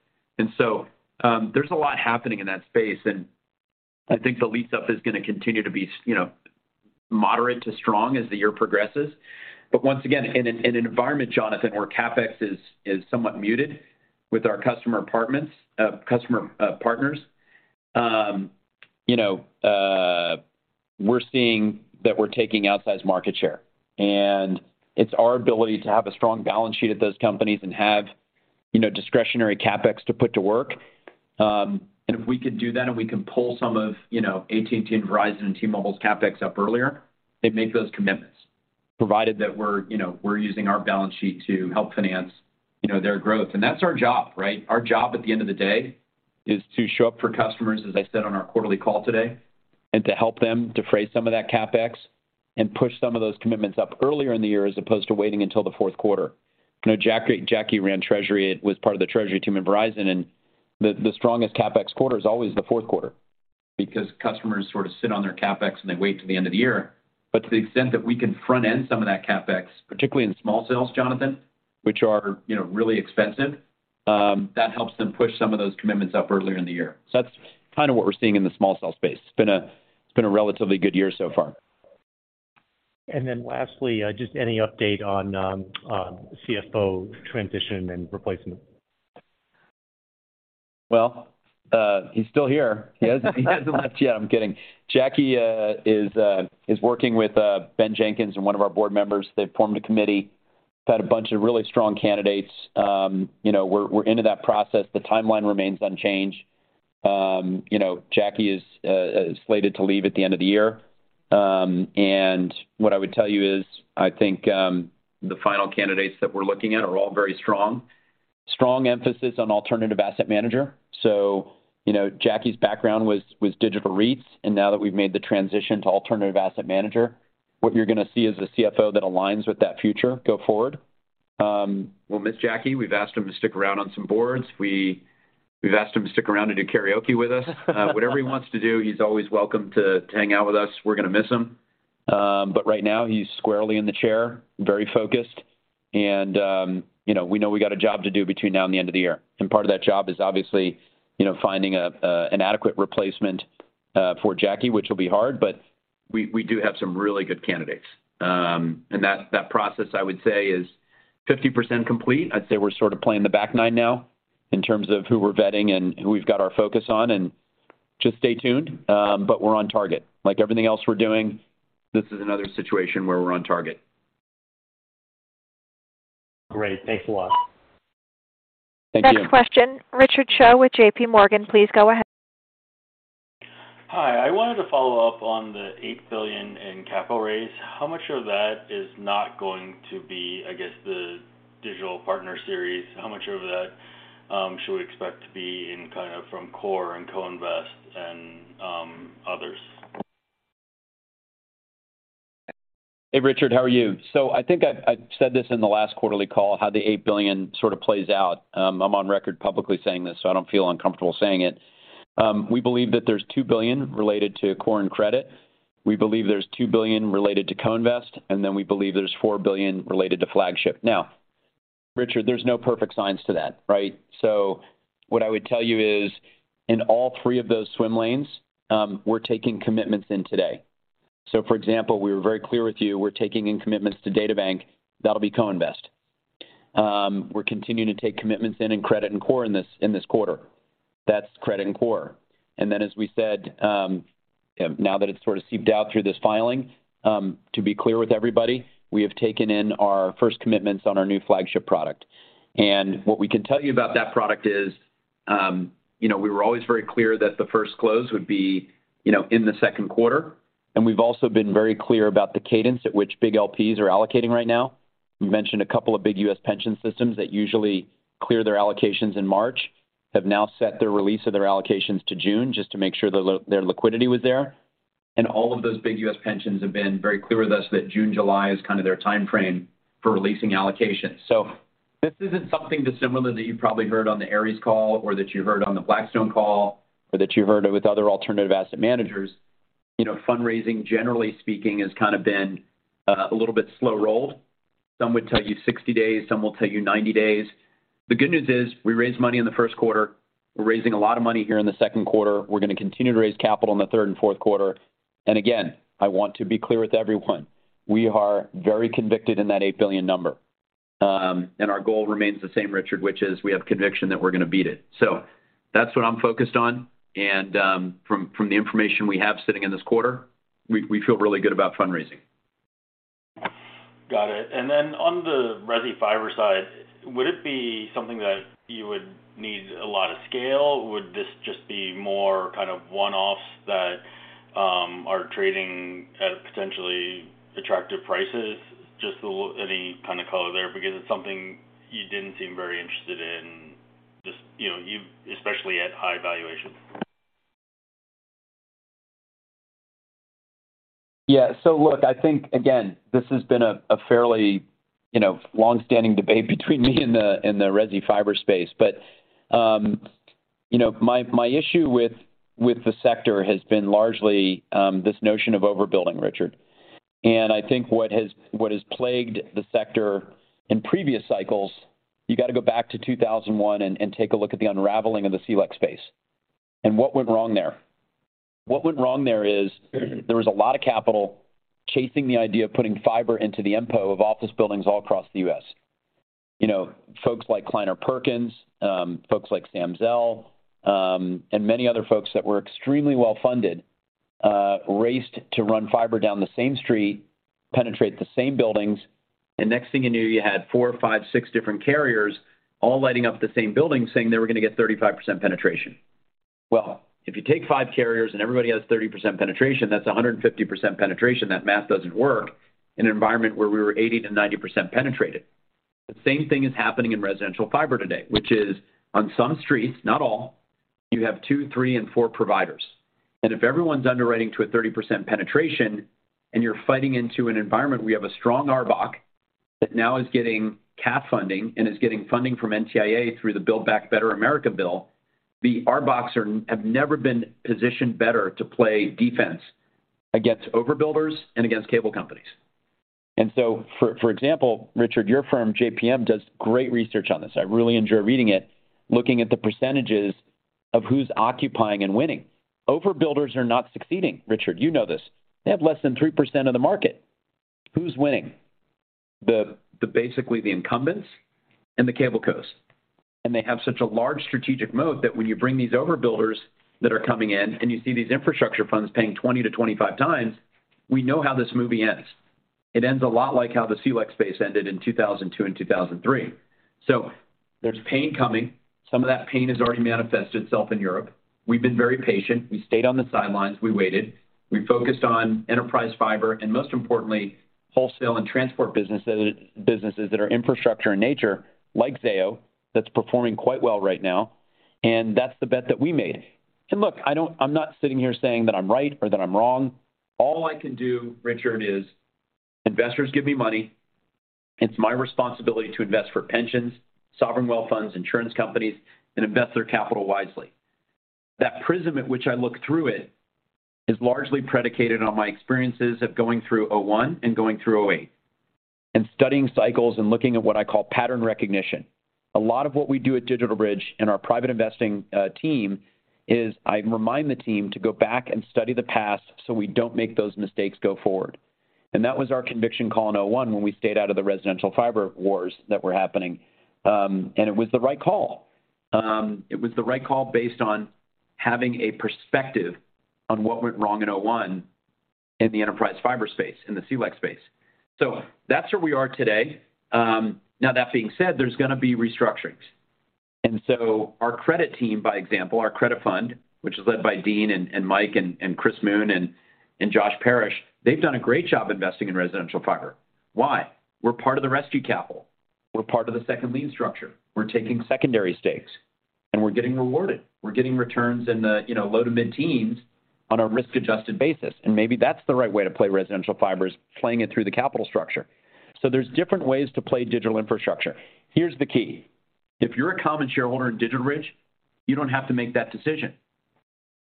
[SPEAKER 3] There's a lot happening in that space, and I think the lease-up is gonna continue to be you know, moderate to strong as the year progresses. Once again, in an environment, Jonathan, where CapEx is somewhat muted with our customer apartments, customer partners, you know, we're seeing that we're taking outsized market share. It's our ability to have a strong balance sheet at those companies and have, you know, discretionary CapEx to put to work. If we can do that, and we can pull some of, you know, AT&T and Verizon and T-Mobile's CapEx up earlier, they make those commitments, provided that we're, you know, we're using our balance sheet to help finance, you know, their growth. That's our job, right? Our job at the end of the day is to show up for customers, as I said on our quarterly call today, and to help them defray some of that CapEx and push some of those commitments up earlier in the year as opposed to waiting until the fourth quarter. You know, Jacky ran treasury, was part of the treasury team in Verizon, and the strongest CapEx quarter is always the fourth quarter because customers sort of sit on their CapEx, and they wait till the end of the year. To the extent that we can front-end some of that CapEx, particularly in small cells, Jonathan, which are, you know, really expensive, that helps them push some of those commitments up earlier in the year. That's kind of what we're seeing in the small cell space. It's been a relatively good year so far.
[SPEAKER 10] lLastly, just any update on CFO transition and replacement?
[SPEAKER 3] Well, he's still here. He hasn't left yet. I'm kidding. Jacky is working with Ben Jenkins and one of our board members. They've formed a committee, had a bunch of really strong candidates. You know, we're into that process. The timeline remains unchanged. You know, Jacky is slated to leave at the end of the year. What I would tell you is, I think, the final candidates that we're looking at are all very strong. Strong emphasis on alternative asset manager. You know, Jacky's background was Digital REITs, and now that we've made the transition to alternative asset manager, what you're gonna see is a CFO that aligns with that future go forward. We'll miss Jacky. We've asked him to stick around on some boards. We've asked him to stick around and do karaoke with us. Whatever he wants to do, he's always welcome to hang out with us. We're gonna miss him. Right now he's squarely in the chair, very focused, and, you know, we know we got a job to do between now and the end of the year. Part of that job is obviously, you know, finding an adequate replacement for Jacky, which will be hard, but we do have some really good candidates. That process, I would say, is 50% complete. I'd say we're sort of playing the back nine now in terms of who we're vetting and who we've got our focus on, and just stay tuned. We're on target. Like everything else we're doing, this is another situation where we're on target.
[SPEAKER 10] Great. Thanks a lot.
[SPEAKER 3] Thank you.
[SPEAKER 1] Next question, Richard Choe with J.P. Morgan. Please go ahead.
[SPEAKER 11] Hi. I wanted to follow up on the $8 billion in capital raise. How much of that is not going to be, I guess, the DigitalBridge Partners Series? How much of that should we expect to be in kind of from Core and Co-Invest and others?
[SPEAKER 3] Hey, Richard, how are you? I think I said this in the last quarterly call, how the $8 billion sort of plays out. I'm on record publicly saying this, so I don't feel uncomfortable saying it. We believe that there's $2 billion related to Core and Credit. We believe there's $2 billion related to Co-Invest. We believe there's $4 billion related to Flagship. Richard, there's no perfect science to that, right? What I would tell you is, in all three of those swim lanes, we're taking commitments in today. For example, we were very clear with you, we're taking in commitments to DataBank, that'll be Co-Invest. We're continuing to take commitments in Credit and Core in this quarter. That's Credit and Core. As we said, now that it's sort of seeped out through this filing, to be clear with everybody, we have taken in our first commitments on our new flagship product. What we can tell you about that product is, you know, we were always very clear that the first close would be, you know, in the second quarter. We've also been very clear about the cadence at which big LPs are allocating right now. We've mentioned a couple of big U.S. pension systems that usually clear their allocations in March, have now set their release of their allocations to June just to make sure their liquidity was there. All of those big U.S. pensions have been very clear with us that June, July is kind of their timeframe for releasing allocations. This isn't something dissimilar that you probably heard on the Ares call or that you heard on the Blackstone call or that you heard with other alternative asset managers. You know, fundraising, generally speaking, has kind of been a little bit slow-rolled. Some would tell you 60 days, some will tell you 90 days. The good news is we raised money in the first quarter. We're raising a lot of money here in the second quarter. We're gonna continue to raise capital in the third and fourth quarter. Again, I want to be clear with everyone, we are very convicted in that $8 billion number. Our goal remains the same, Richard, which is we have conviction that we're gonna beat it. That's what I'm focused on. From the information we have sitting in this quarter, we feel really good about fundraising.
[SPEAKER 11] Got it. Then on the resi fiber side, would it be something that you would need a lot of scale? Would this just be more kind of one-offs that are trading at potentially attractive prices? Just a little. Any kind of color there, because it's something you didn't seem very interested in, just, you know, especially at high valuation?
[SPEAKER 3] Yeah. Look, I think, again, this has been a fairly, you know, long-standing debate between me and the resi fiber space. You know, my issue with the sector has been largely this notion of overbuilding, Richard. I think what has plagued the sector in previous cycles, you got to go back to 2001 and take a look at the unraveling of the CLEC space and what went wrong there. What went wrong there is there was a lot of capital chasing the idea of putting fiber into the MPO of office buildings all across the U.S. You know, folks like Kleiner Perkins, folks like Sam Zell, many other folks that were extremely well-funded, raced to run fiber down the same street, penetrate the same buildings, next thing you knew, you had four, five, six different carriers all lighting up the same building saying they were gonna get 35% penetration. If you take five carriers and everybody has 30% penetration, that's 150% penetration. That math doesn't work in an environment where we were 80%-90% penetrated. The same thing is happening in residential fiber today, which is on some streets, not all, you have two, three, and four providers. If everyone's underwriting to a 30% penetration and you're fighting into an environment, we have a strong RBOC that now is getting CAF funding and is getting funding from NTIA through the Build Back Better America bill. The RBOCs have never been positioned better to play defense against overbuilders and against cable companies. For example, Richard, your firm, JPM, does great research on this. I really enjoy reading it, looking at the percentages of who's occupying and winning. Overbuilders are not succeeding, Richard, you know this. They have less than 3% of the market. Who's winning? The basically the incumbents and the cablecos. They have such a large strategic mode that when you bring these overbuilders that are coming in and you see these infrastructure funds paying 20-25 times, we know how this movie ends. It ends a lot like how the CLEC space ended in 2002 and 2003. There's pain coming. Some of that pain has already manifested itself in Europe. We've been very patient. We stayed on the sidelines. We waited. We focused on enterprise fiber and most importantly, wholesale and transport business, businesses that are infrastructure in nature, like Zayo, that's performing quite well right now. That's the bet that we made. Look, I'm not sitting here saying that I'm right or that I'm wrong. All I can do, Richard, is investors give me money. It's my responsibility to invest for pensions, sovereign wealth funds, insurance companies, and invest their capital wisely. That prism at which I look through it is largely predicated on my experiences of going through 2001 and going through 2008 and studying cycles and looking at what I call pattern recognition. A lot of what we do at DigitalBridge and our private investing team is I remind the team to go back and study the past so we don't make those mistakes go forward. That was our conviction call in 2001 when we stayed out of the residential fiber wars that were happening. It was the right call. It was the right call based on having a perspective on what went wrong in 2001 in the enterprise fiber space, in the CLEC space. That's where we are today. Now that being said, there's gonna be restructurings. Our credit team, by example, our credit fund, which is led by Dean and Mike and Chris Moon and Josh Parrish, they've done a great job investing in residential fiber. Why? We're part of the rescue capital. We're part of the second lien structure. We're taking secondary stakes, and we're getting rewarded. We're getting returns in the low to mid-teens on a risk-adjusted basis. Maybe that's the right way to play residential fiber is playing it through the capital structure. There's different ways to play digital infrastructure. Here's the key. If you're a common shareholder in DigitalBridge, you don't have to make that decision.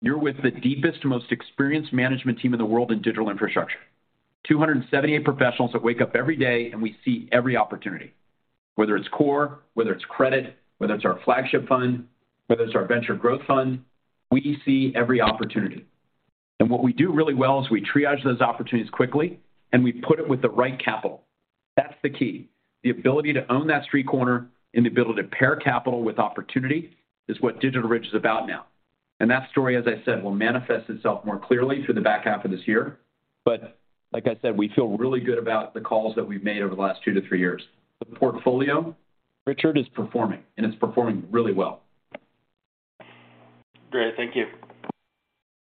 [SPEAKER 3] You're with the deepest, most experienced management team in the world in digital infrastructure. 278 professionals that wake up every day, we see every opportunity, whether it's core, whether it's credit, whether it's our flagship fund, whether it's our venture growth fund, we see every opportunity. What we do really well is we triage those opportunities quickly, and we put it with the right capital. That's the key. The ability to own that street corner and the ability to pair capital with opportunity is what DigitalBridge is about now. That story, as I said, will manifest itself more clearly through the back half of this year. Like I said, we feel really good about the calls that we've made over the last two to three years. The portfolio, Richard, is performing, and it's performing really well.
[SPEAKER 11] Great. Thank you.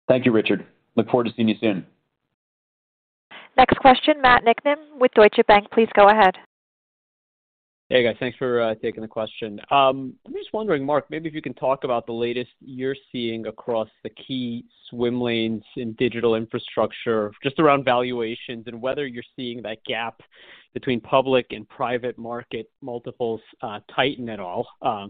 [SPEAKER 3] Thank you, Richard. Look forward to seeing you soon.
[SPEAKER 1] Next question, Matt Niknam with Deutsche Bank. Please go ahead.
[SPEAKER 6] Hey, guys. Thanks for taking the question. I'm just wondering, Marc, maybe if you can talk about the latest you're seeing across the key swim lanes in digital infrastructure, just around valuations and whether you're seeing that gap between public and private market multiples tighten at all.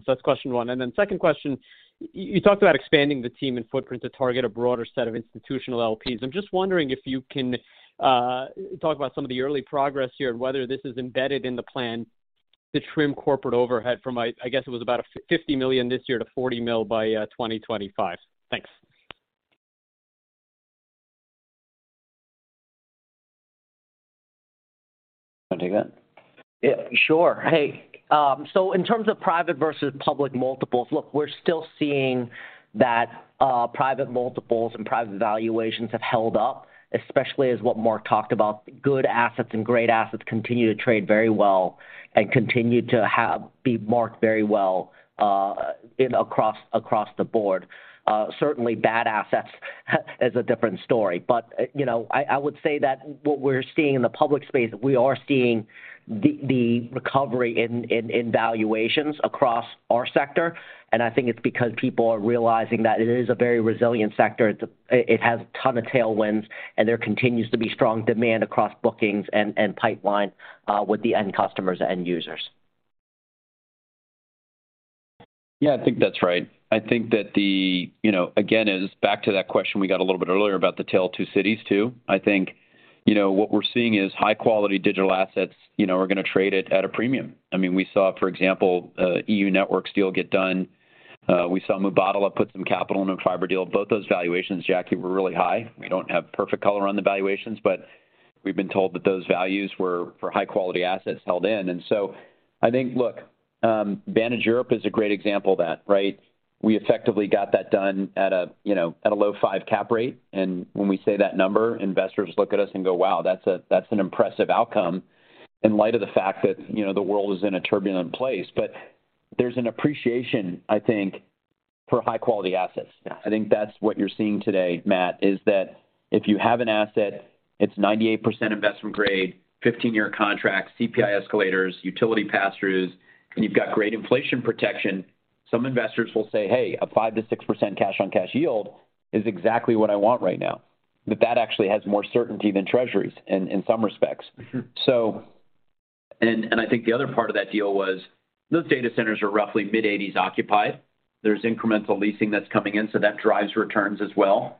[SPEAKER 6] That's question one. Second question, you talked about expanding the team and footprint to target a broader set of institutional LPs. I'm just wondering if you can talk about some of the early progress here and whether this is embedded in the plan to trim corporate overhead from I guess it was about a $50 million this year to $40 mil by 2025. Thanks.
[SPEAKER 3] Wanna take that?
[SPEAKER 4] Yeah, sure. Hey, so in terms of private versus public multiples, look, we're still seeing that private multiples and private valuations have held up, especially as what Marc talked about, good assets and great assets continue to trade very well and continue to be marked very well across the board. Certainly bad assets is a different story. You know, I would say that what we're seeing in the public space, we are seeing the recovery in valuations across our sector, and I think it's because people are realizing that it is a very resilient sector. It has ton of tailwinds, and there continues to be strong demand across bookings and pipeline with the end customers and end users.
[SPEAKER 3] Yeah, I think that's right. I think that the, you know, again, as back to that question we got a little bit earlier about the Tale of Two Cities too. I think, you know, what we're seeing is high-quality digital assets, you know, are gonna trade it at a premium. I mean, we saw, for example, euNetworks deal get done. We saw Mubadala put some capital in a fiber deal. Both those valuations, Jacky, were really high. We don't have perfect color on the valuations, but we've been told that those values were for high-quality assets held in. I think, look, Vantage Europe is a great example of that, right? We effectively got that done at a, you know, at a low five cap rate. When we say that number, investors look at us and go, "Wow, that's an impressive outcome," in light of the fact that, you know, the world is in a turbulent place. There's an appreciation, I think, for high-quality assets.
[SPEAKER 4] Yes.
[SPEAKER 3] I think that's what you're seeing today, Matt, is that if you have an asset, it's 98% investment grade, 15-year contract, CPI escalators, utility pass-throughs, and you've got great inflation protection, some investors will say, "Hey, a 5%-6% cash-on-cash yield is exactly what I want right now." That actually has more certainty than treasuries in some respects.
[SPEAKER 6] Mm-hmm.
[SPEAKER 3] I think the other part of that deal was those data centers are roughly mid-80s% occupied. There's incremental leasing that's coming in, so that drives returns as well.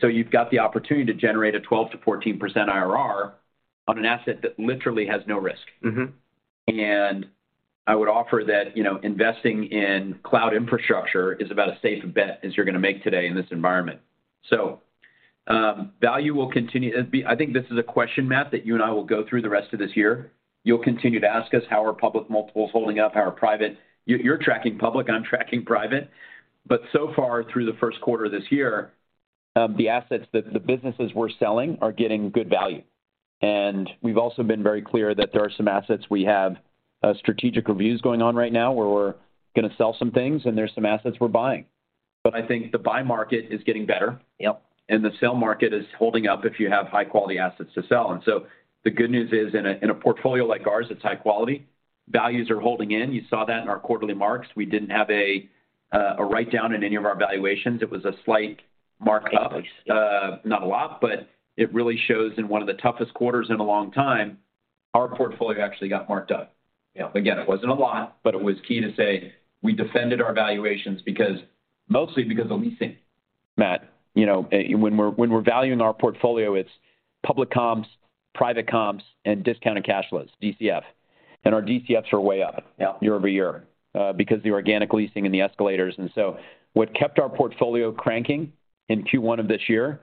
[SPEAKER 3] You've got the opportunity to generate a 12%-14% IRR on an asset that literally has no risk.
[SPEAKER 6] Mm-hmm.
[SPEAKER 3] I would offer that, you know, investing in cloud infrastructure is about as safe a bet as you're gonna make today in this environment. Value will continue. I think this is a question, Matt, that you and I will go through the rest of this year. You'll continue to ask us how are public multiples holding up, how are private. You're tracking public, and I'm tracking private. So far through the first quarter this year, the assets that the businesses we're selling are getting good value. We've also been very clear that there are some assets we have strategic reviews going on right now, where we're gonna sell some things, and there's some assets we're buying. I think the buy market is getting better.
[SPEAKER 4] Yep.
[SPEAKER 3] The sell market is holding up if you have high-quality assets to sell. The good news is in a portfolio like ours that's high quality, values are holding in. You saw that in our quarterly marks. We didn't have a write-down in any of our valuations. It was a slight mark-up. Not a lot, but it really shows in one of the toughest quarters in a long time. Our portfolio actually got marked up. You know, again, it wasn't a lot, but it was key to say we defended our valuations mostly because of leasing. Matt, you know, when we're valuing our portfolio, it's public comps, private comps, and discounted cash flows, DCF. Our DCFs are way up.
[SPEAKER 6] Yeah
[SPEAKER 3] Year-over-year, because the organic leasing and the escalators. What kept our portfolio cranking in Q1 of this year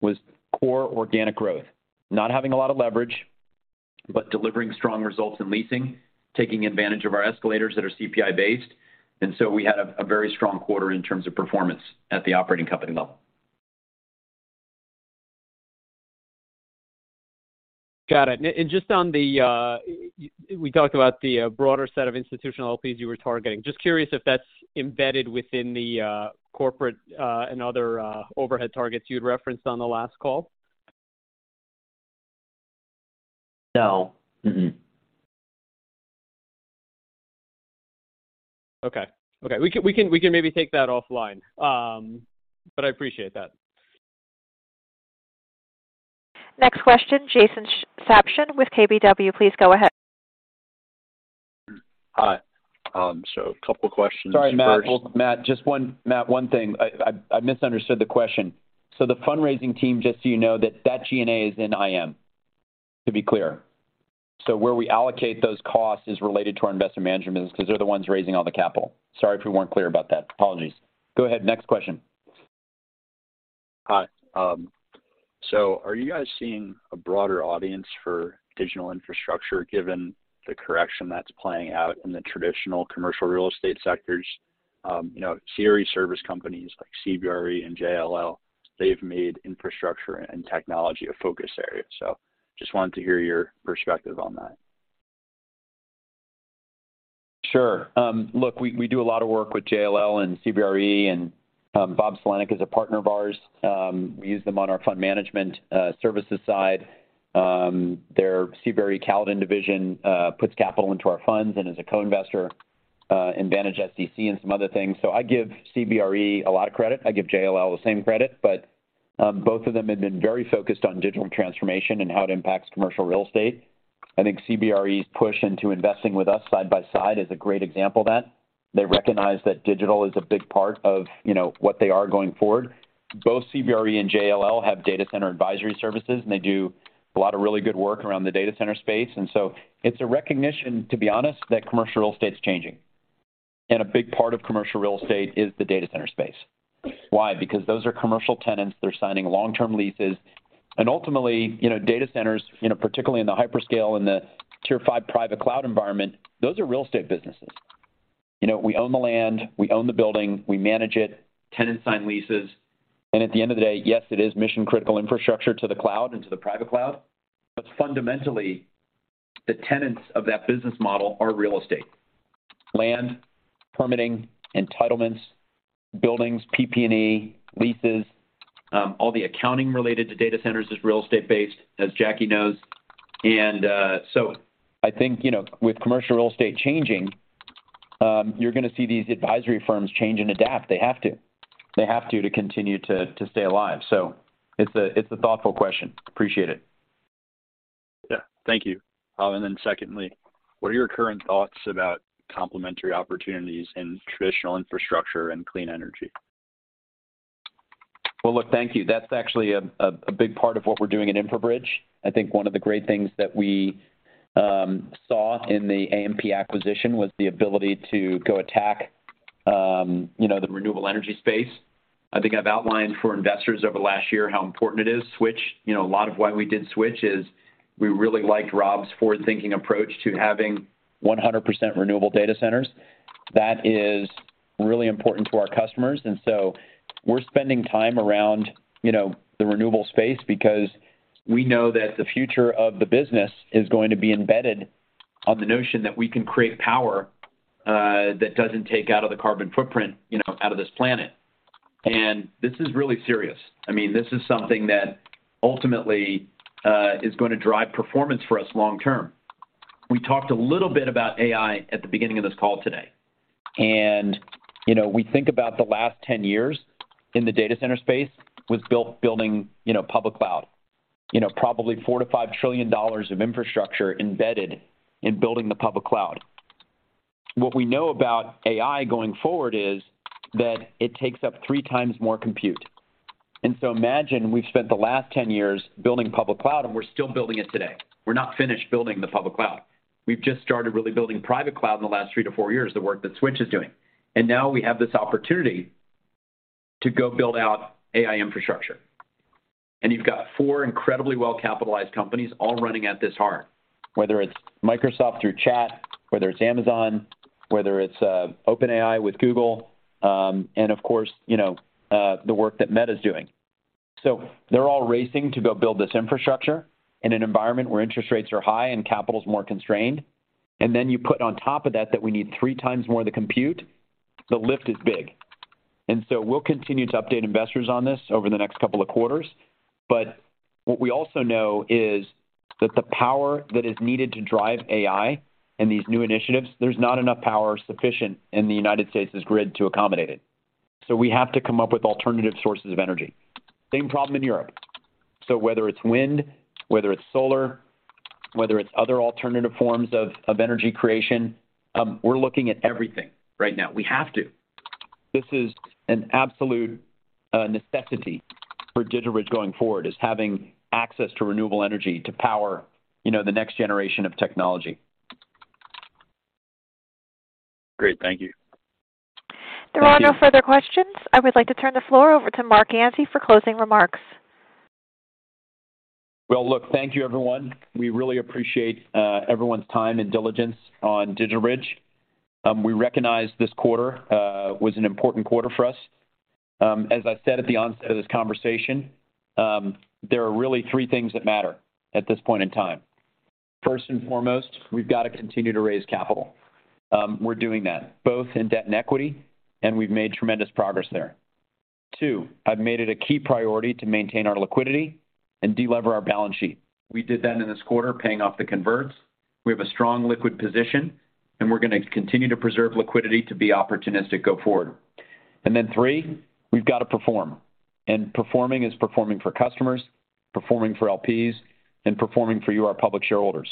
[SPEAKER 3] was core organic growth. Not having a lot of leverage, but delivering strong results in leasing, taking advantage of our escalators that are CPI-based, we had a very strong quarter in terms of performance at the operating company level.
[SPEAKER 6] Got it. Just on the we talked about the broader set of institutional LPs you were targeting. Just curious if that's embedded within the corporate and other overhead targets you had referenced on the last call.
[SPEAKER 3] No. Mm-mm.
[SPEAKER 6] Okay. We can maybe take that offline. I appreciate that.
[SPEAKER 1] Next question, Jason Sabshon with KBW. Please go ahead.
[SPEAKER 12] Hi. a couple questions first-
[SPEAKER 3] Sorry, Matt. Matt, one thing. I misunderstood the question. The fundraising team, just so you know, that G&A is in IM. To be clear. Where we allocate those costs is related to our investment management business 'cause they're the ones raising all the capital. Sorry if we weren't clear about that. Apologies. Go ahead. Next question.
[SPEAKER 12] Hi. Are you guys seeing a broader audience for digital infrastructure given the correction that's playing out in the traditional commercial real estate sectors? You know, CRE service companies like CBRE and JLL, they've made infrastructure and technology a focus area, just wanted to hear your perspective on that.
[SPEAKER 3] Sure. Look, we do a lot of work with JLL and CBRE. Bob Sulentic is a partner of ours. We use them on our fund management services side. Their CBRE Caledon division puts capital into our funds and is a co-investor in Vantage SDC and some other things. I give CBRE a lot of credit. I give JLL the same credit. Both of them have been very focused on digital transformation and how it impacts commercial real estate. I think CBRE's push into investing with us side by side is a great example of that. They recognize that digital is a big part of, you know, what they are going forward. Both CBRE and JLL have data center advisory services. They do a lot of really good work around the data center space. It's a recognition, to be honest, that commercial real estate's changing. A big part of commercial real estate is the data center space. Why? Because those are commercial tenants. They're signing long-term leases. Ultimately, you know, data centers, you know, particularly in the hyperscale and the tier five private cloud environment, those are real estate businesses. You know, we own the land, we own the building, we manage it, tenants sign leases. At the end of the day, yes, it is mission-critical infrastructure to the cloud and to the private cloud. Fundamentally, the tenants of that business model are real estate. Land, permitting, entitlements, buildings, PP&E, leases, all the accounting related to data centers is real estate based, as Jacky knows. I think, you know, with commercial real estate changing, you're gonna see these advisory firms change and adapt. They have to continue to stay alive. It's a thoughtful question. Appreciate it.
[SPEAKER 12] Yeah. Thank you. Then secondly, what are your current thoughts about complementary opportunities in traditional infrastructure and clean energy?
[SPEAKER 3] Well, look, thank you. That's actually a big part of what we're doing at InfraBridge. I think one of the great things that we saw in the AMP acquisition was the ability to go attack, you know, the renewable energy space. I think I've outlined for investors over the last year how important it is. Switch, you know, a lot of why we did Switch is we really liked Rob's forward-thinking approach to having 100% renewable data centers. That is really important to our customers, we're spending time around, you know, the renewable space because we know that the future of the business is going to be embedded on the notion that we can create power that doesn't take out of the carbon footprint, you know, out of this planet. This is really serious. I mean, this is something that ultimately is gonna drive performance for us long term. We talked a little bit about AI at the beginning of this call today, you know, we think about the last 10 years in the data center space was built building, you know, public cloud. You know, probably $4 trillion-$5 trillion of infrastructure embedded in building the public cloud. What we know about AI going forward is that it takes up three times more compute. Imagine we've spent the last 10 years building public cloud, and we're still building it today. We're not finished building the public cloud. We've just started really building private cloud in the last three to four years, the work that Switch is doing. Now we have this opportunity to go build out AI infrastructure. You've got four incredibly well-capitalized companies all running at this hard, whether it's Microsoft through ChatGPT, whether it's Amazon, whether it's OpenAI with Google, and of course, you know, the work that Meta's doing. They're all racing to go build this infrastructure in an environment where interest rates are high and capital's more constrained. Then you put on top of that that we need three times more the compute, the lift is big. We'll continue to update investors on this over the next couple of quarters. What we also know is that the power that is needed to drive AI and these new initiatives, there's not enough power sufficient in the United States' grid to accommodate it. We have to come up with alternative sources of energy. Same problem in Europe. Whether it's wind, whether it's solar, whether it's other alternative forms of energy creation, we're looking at everything right now. We have to. This is an absolute necessity for DigitalBridge going forward, is having access to renewable energy to power, you know, the next generation of technology.
[SPEAKER 12] Great. Thank you.
[SPEAKER 3] Thank you.
[SPEAKER 1] There are no further questions. I would like to turn the floor over to Marc Ganzi for closing remarks.
[SPEAKER 3] Well, look, thank you everyone. We really appreciate everyone's time and diligence on DigitalBridge. We recognize this quarter was an important quarter for us. As I said at the onset of this conversation, there are really three things that matter at this point in time. First and foremost, we've gotta continue to raise capital. We're doing that both in debt and equity, and we've made tremendous progress there. Two, I've made it a key priority to maintain our liquidity and de-lever our balance sheet. We did that in this quarter, paying off the converts. We have a strong liquid position, and we're gonna continue to preserve liquidity to be opportunistic go forward. Three, we've gotta perform. Performing is performing for customers, performing for LPs, and performing for you, our public shareholders.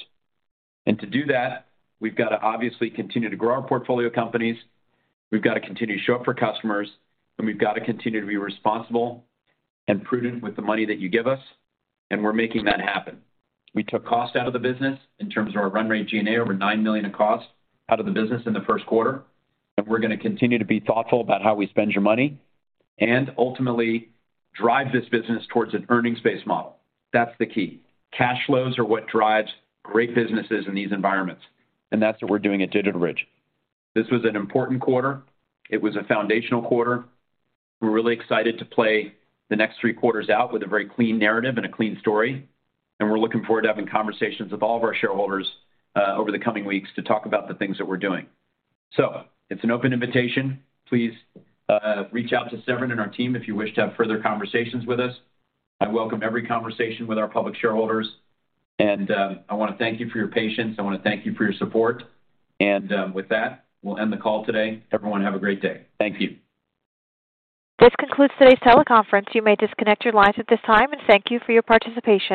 [SPEAKER 3] To do that, we've gotta obviously continue to grow our portfolio companies, we've gotta continue to show up for customers, and we've gotta continue to be responsible and prudent with the money that you give us, and we're making that happen. We took cost out of the business in terms of our run rate G&A over $9 million in cost out of the business in the first quarter, and we're gonna continue to be thoughtful about how we spend your money and ultimately drive this business towards an earnings-based model. That's the key. Cash flows are what drives great businesses in these environments, and that's what we're doing at DigitalBridge. This was an important quarter. It was a foundational quarter. We're really excited to play the next three quarters out with a very clean narrative and a clean story, and we're looking forward to having conversations with all of our shareholders, over the coming weeks to talk about the things that we're doing. It's an open invitation. Please, reach out to Severn and our team if you wish to have further conversations with us. I welcome every conversation with our public shareholders, and, I wanna thank you for your patience. I wanna thank you for your support. With that, we'll end the call today. Everyone, have a great day. Thank you.
[SPEAKER 1] This concludes today's teleconference. You may disconnect your lines at this time. Thank you for your participation.